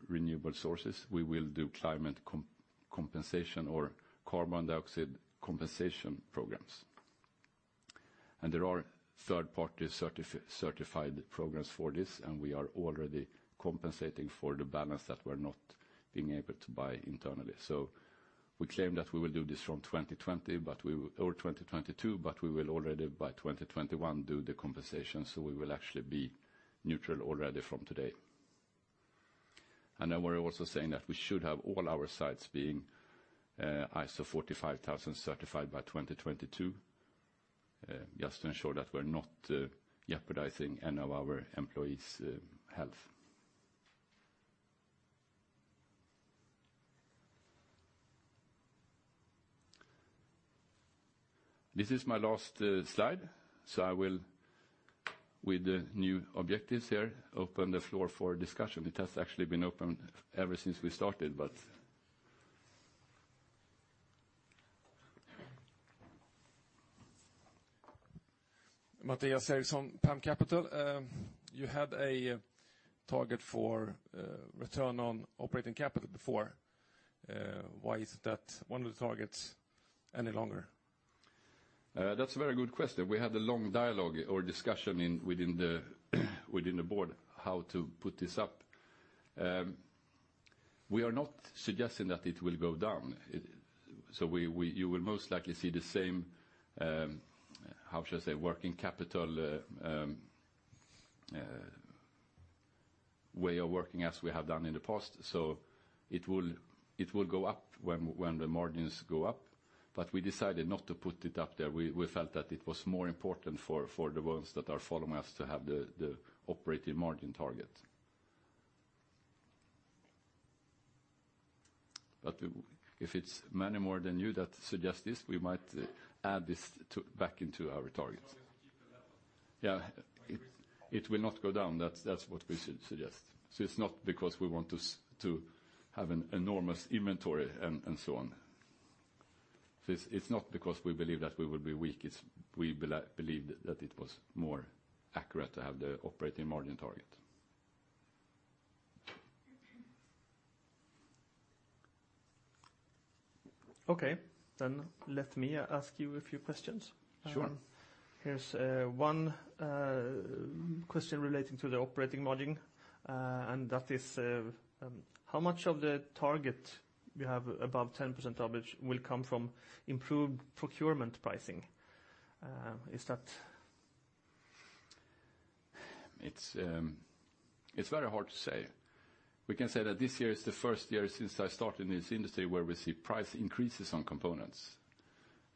Speaker 2: renewable sources, we will do climate compensation or carbon dioxide compensation programs. There are third-party certified programs for this, and we are already compensating for the balance that we're not being able to buy internally. We claim that we will do this from 2020, but or 2022, but we will already by 2021 do the compensation, so we will actually be neutral already from today. We're also saying that we should have all our sites being ISO 45001 certified by 2022, just to ensure that we're not jeopardizing any of our employees' health. This is my last slide, so I will, with the new objectives here, open the floor for discussion. It has actually been open ever since we started, but.
Speaker 6: Mattias Eriksson, PAM Capital. You had a target for return on operating capital before. Why is that one of the targets any longer?
Speaker 2: That's a very good question. We had a long dialogue or discussion within the board how to put this up. We are not suggesting that it will go down. You will most likely see the same, how should I say, working capital way of working as we have done in the past. It will go up when the margins go up. We decided not to put it up there. We felt that it was more important for the ones that are following us to have the operating margin target. If it's many more than you that suggest this, we might add this back into our targets.
Speaker 6: It will keep the level?
Speaker 2: Yeah. It will not go down. That's what we suggest. It's not because we want to have an enormous inventory and so on. It's not because we believe that we will be weak. It's we believed that it was more accurate to have the operating margin target.
Speaker 1: Okay. Let me ask you a few questions.
Speaker 2: Sure.
Speaker 1: Here's one question relating to the operating margin, and that is, how much of the target you have above 10% average will come from improved procurement pricing? Is that...
Speaker 2: It's very hard to say. We can say that this year is the first year since I started in this industry where we see price increases on components.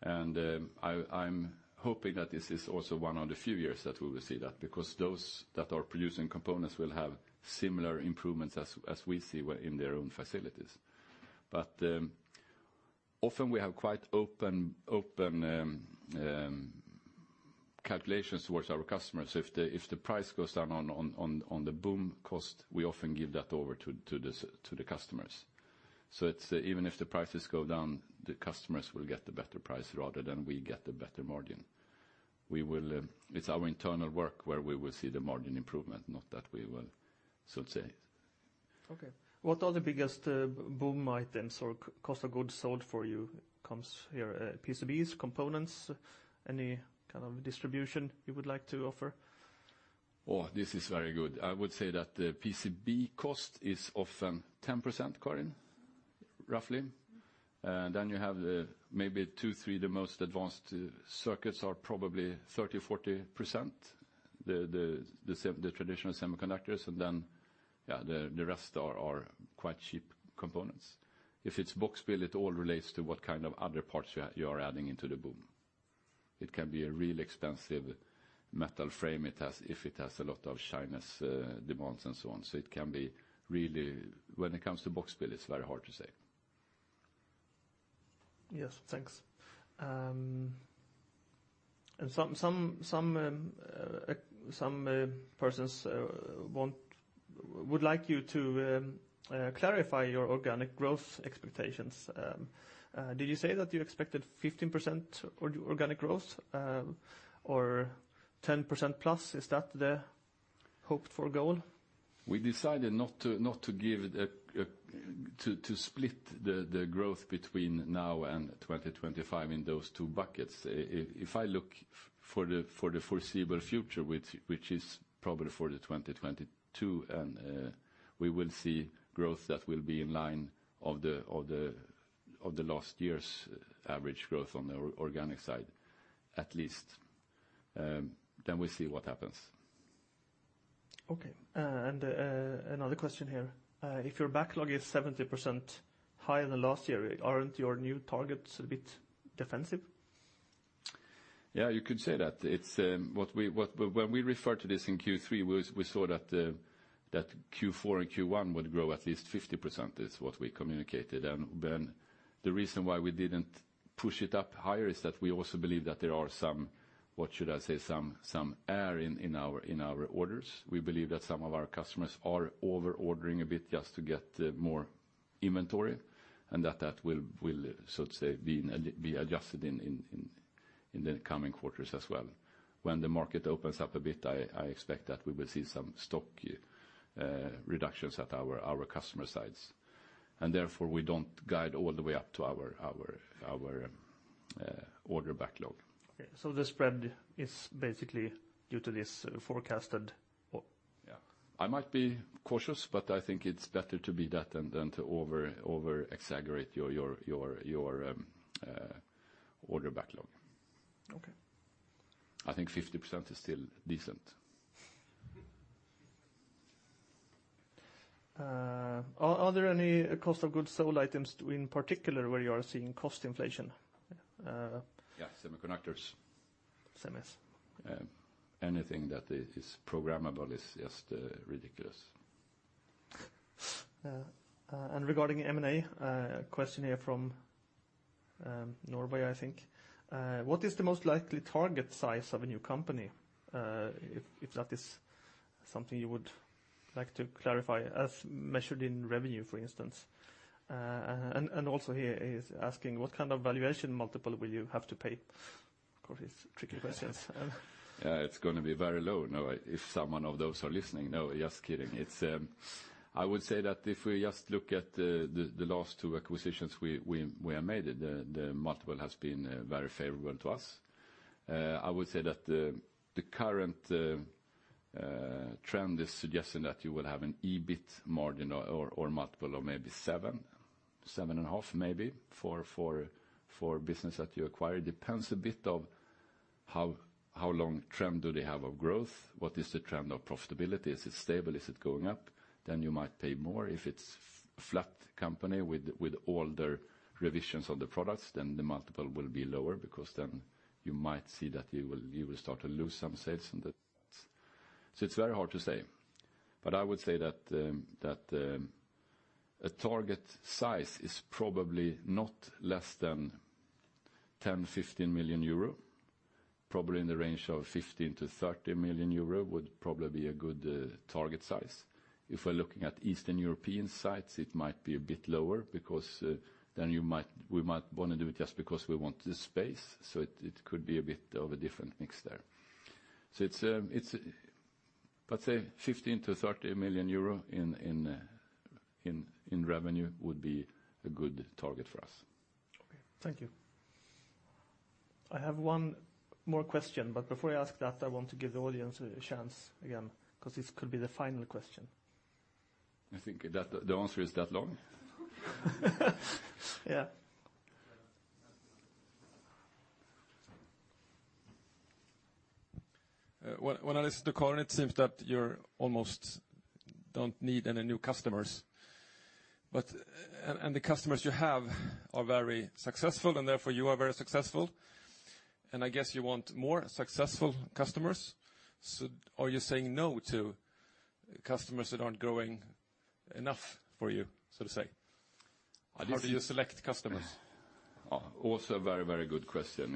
Speaker 2: I'm hoping that this is also one of the few years that we will see that, because those that are producing components will have similar improvements as we see within their own facilities. Often we have quite open calculations towards our customers. If the price goes down on the BOM cost, we often give that over to the customers. Even if the prices go down, the customers will get the better price rather than we get the better margin. It's our internal work where we will see the margin improvement, not that we will, so to say.
Speaker 1: What are the biggest BOM items or cost of goods sold for you guys here? PCBs, components? Any kind of distribution you would like to offer?
Speaker 2: Oh, this is very good. I would say that the PCB cost is often 10%, Karin, roughly. Then you have maybe two, three, the most advanced circuits are probably 30%-40%, the traditional semiconductors. Yeah, the rest are quite cheap components. If it's box build, it all relates to what kind of other parts you are adding into the BOM. It can be a real expensive metal frame if it has a lot of Chinese demands and so on. It can be really. When it comes to box build, it's very hard to say.
Speaker 1: Yes. Thanks. Some persons would like you to clarify your organic growth expectations. Did you say that you expected 15% organic growth, or 10% plus? Is that the hoped-for goal?
Speaker 2: We decided not to split the growth between now and 2025 in those two buckets. If I look for the foreseeable future, which is probably for the 2022, we will see growth that will be in line with the last year's average growth on the organic side, at least. We'll see what happens.
Speaker 1: Okay. Another question here. If your backlog is 70% higher than last year, aren't your new targets a bit defensive?
Speaker 2: Yeah, you could say that. It's what. When we referred to this in Q3, we saw that Q4 and Q1 would grow at least 50%, is what we communicated. Then the reason why we didn't push it up higher is that we also believe that there are some, what should I say, some air in our orders. We believe that some of our customers are over-ordering a bit just to get more inventory, and that will, so to say, be adjusted in the coming quarters as well. When the market opens up a bit, I expect that we will see some stock reductions at our customer sites. Therefore, we don't guide all the way up to our order backlog.
Speaker 1: Okay. The spread is basically due to this forecasted.
Speaker 2: Yeah. I might be cautious, but I think it's better to be that than to over-exaggerate your order backlog.
Speaker 1: Okay.
Speaker 2: I think 50% is still decent.
Speaker 1: Are there any cost of goods sold items in particular where you are seeing cost inflation?
Speaker 2: Yeah, semiconductors.
Speaker 1: Semis.
Speaker 2: Yeah. Anything that is programmable is just ridiculous.
Speaker 1: Regarding M&A, question here from Norway, I think. What is the most likely target size of a new company? If that is something you would like to clarify as measured in revenue, for instance. Also he is asking, what kind of valuation multiple will you have to pay? Of course, it's tricky questions.
Speaker 2: Yeah, it's gonna be very low. No. If some of those are listening, no, just kidding. I would say that if we just look at the last two acquisitions we have made, the multiple has been very favorable to us. I would say that the current trend is suggesting that you will have an EBIT margin or multiple of maybe 7-7.5 maybe, for business that you acquire. It depends a bit on how long a trend they have of growth. What is the trend of profitability? Is it stable? Is it going up? Then you might pay more. If it's flat company with older revisions of the products, then the multiple will be lower because then you might see that you will start to lose some sales in the products. It's very hard to say. I would say that a target size is probably not less than 10-15 million euro. Probably in the range of 15-30 million euro would probably be a good target size. If we're looking at Eastern European sites, it might be a bit lower because we might wanna do it just because we want the space, so it could be a bit of a different mix there. It's let's say 15-30 million euro in revenue would be a good target for us.
Speaker 1: Okay. Thank you. I have one more question, but before I ask that, I want to give the audience a chance again, 'cause this could be the final question.
Speaker 2: You think that the answer is that long?
Speaker 1: Yeah. When I listen to Karin, it seems that you're almost don't need any new customers. The customers you have are very successful, and therefore you are very successful. I guess you want more successful customers. Are you saying no to customers that aren't growing enough for you, so to say?
Speaker 2: I just-
Speaker 1: How do you select customers?
Speaker 2: Also a very, very good question.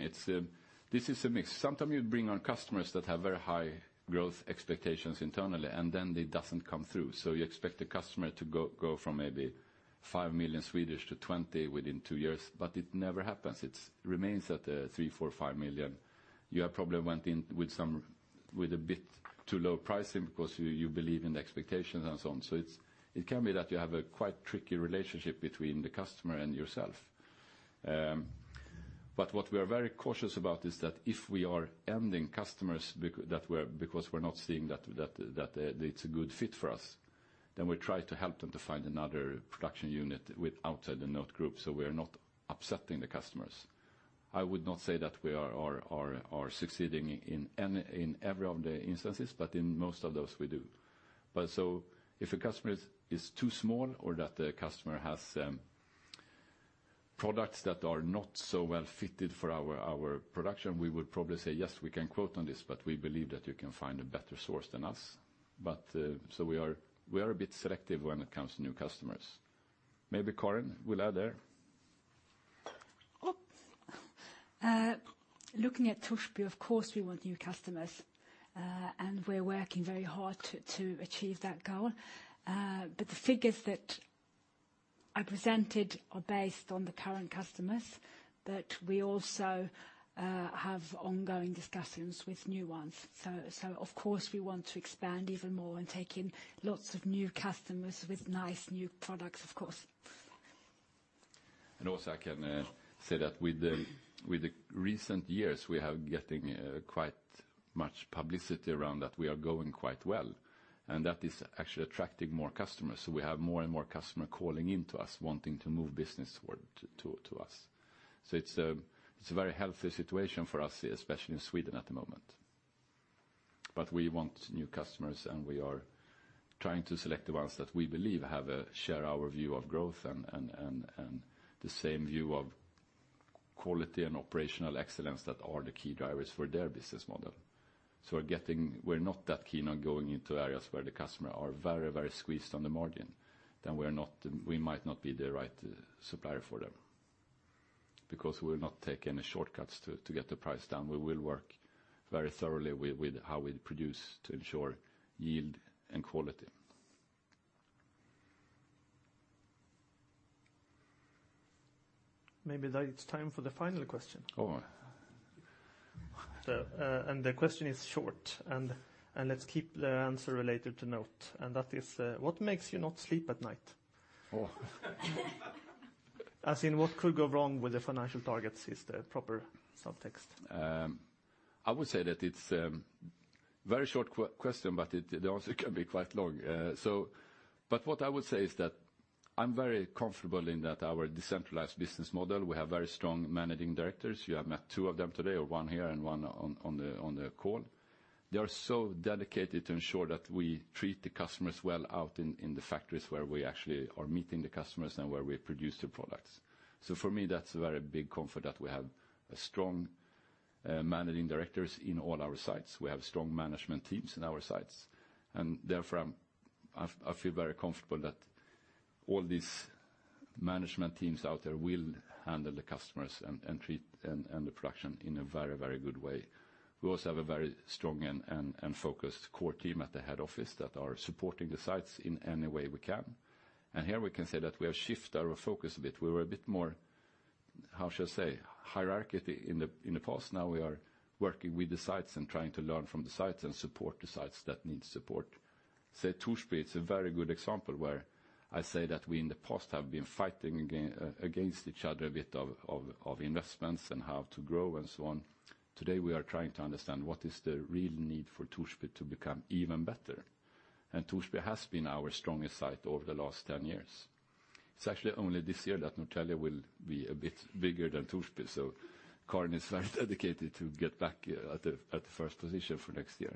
Speaker 2: This is a mix. Sometimes you bring on customers that have very high growth expectations internally, and then it doesn't come through. You expect the customer to go from maybe 5 million to 20 million within two years, but it never happens. It remains at 3, 4, 5 million. You have probably went in with a bit too low pricing because you believe in the expectations and so on. It can be that you have a quite tricky relationship between the customer and yourself. What we are very cautious about is that if we are entering customers because we're not seeing that it's a good fit for us, then we try to help them to find another production unit outside the NOTE group, so we are not upsetting the customers. I would not say that we are succeeding in every of the instances, but in most of those we do. If a customer is too small or that the customer has products that are not so well fitted for our production, we would probably say, "Yes, we can quote on this, but we believe that you can find a better source than us." We are a bit selective when it comes to new customers. Maybe Karin will add there.
Speaker 4: Looking at Torsby, of course, we want new customers, and we're working very hard to achieve that goal. The figures that I presented are based on the current customers, but we also have ongoing discussions with new ones. Of course, we want to expand even more and take in lots of new customers with nice new products, of course.
Speaker 2: I can also say that with the recent years, we have getting quite much publicity around that we are going quite well, and that is actually attracting more customers, so we have more and more customer calling in to us wanting to move business or to us. It's a very healthy situation for us, especially in Sweden at the moment. We want new customers, and we are trying to select the ones that we believe have a share our view of growth and the same view of quality and operational excellence that are the key drivers for their business model. We're not that keen on going into areas where the customer are very, very squeezed on the margin. We might not be the right supplier for them because we will not take any shortcuts to get the price down. We will work very thoroughly with how we produce to ensure yield and quality.
Speaker 1: Maybe now it's time for the final question.
Speaker 2: All right.
Speaker 1: The question is short, and let's keep the answer related to NOTE, and that is, what makes you not sleep at night?
Speaker 2: Oh.
Speaker 1: As in, what could go wrong with the financial targets is the proper subtext.
Speaker 2: I would say that it's a very short question, but the answer can be quite long. What I would say is that I'm very comfortable in that our decentralized business model, we have very strong managing directors. You have met two of them today, or one here and one on the call. They are so dedicated to ensure that we treat the customers well out in the factories where we actually are meeting the customers and where we produce the products. For me, that's a very big comfort that we have strong managing directors in all our sites. We have strong management teams in our sites. Therefore, I feel very comfortable that all these management teams out there will handle the customers and treat the production in a very good way. We also have a very strong and focused core team at the head office that are supporting the sites in any way we can. Here we can say that we have shifted our focus a bit. We were a bit more, how should I say, hierarchy in the past. Now we are working with the sites and trying to learn from the sites and support the sites that need support. Say, Torsby, it's a very good example where I say that we in the past have been fighting against each other a bit of investments and how to grow and so on. Today, we are trying to understand what is the real need for Torsby to become even better. Torsby has been our strongest site over the last 10 years. It's actually only this year that Norrtälje will be a bit bigger than Torsby. Karin is very dedicated to get back at the first position for next year.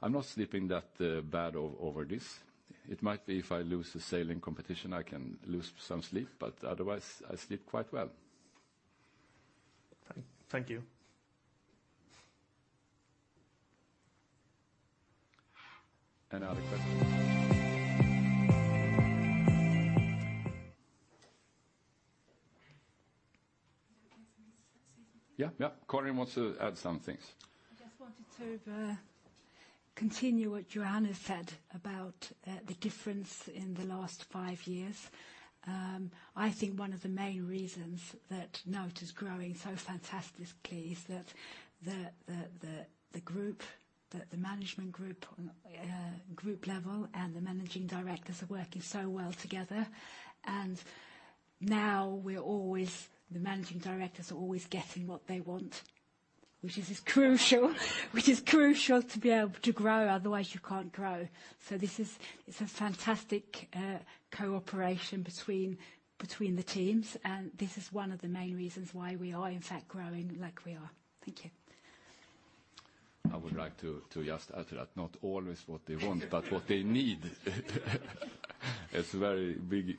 Speaker 2: I'm not sleeping that bad over this. It might be if I lose the sailing competition, I can lose some sleep, but otherwise, I sleep quite well.
Speaker 1: Thank you.
Speaker 2: Any other questions? Yeah, yeah. Karin wants to add some things.
Speaker 4: I just wanted to continue what Johannes Lind-Widestam has said about the difference in the last five years. I think one of the main reasons that NOTE is growing so fantastically is that the group, the management group level and the managing directors are working so well together. Now the managing directors are always getting what they want, which is crucial to be able to grow, otherwise you can't grow. This is a fantastic cooperation between the teams, and this is one of the main reasons why we are in fact growing like we are. Thank you.
Speaker 2: I would like to just add to that, not always what they want, but what they need. It's a very big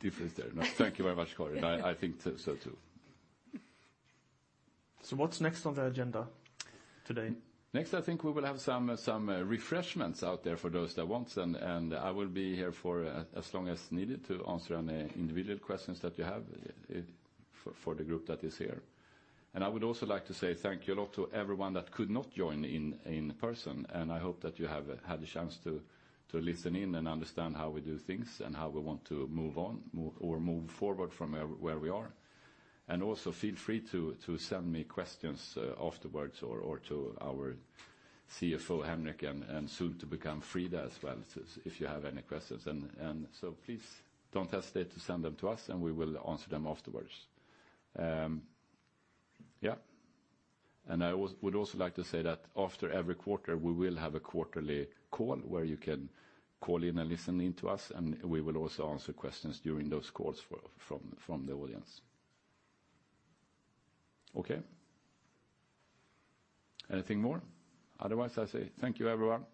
Speaker 2: difference there. No, thank you very much, Karin. I think so too.
Speaker 1: What's next on the agenda today?
Speaker 2: Next, I think we will have some refreshments out there for those that want, and I will be here for as long as needed to answer any individual questions that you have for the group that is here. I would also like to say thank you a lot to everyone that could not join in person. I hope that you have had the chance to listen in and understand how we do things and how we want to move forward from where we are. Also feel free to send me questions afterwards or to our CFO, Henrik, and soon to become Frida as well, if you have any questions. Please don't hesitate to send them to us, and we will answer them afterwards. I would also like to say that after every quarter, we will have a quarterly call where you can call in and listen in to us, and we will also answer questions during those calls from the audience. Okay? Anything more? Otherwise, I say thank you, everyone.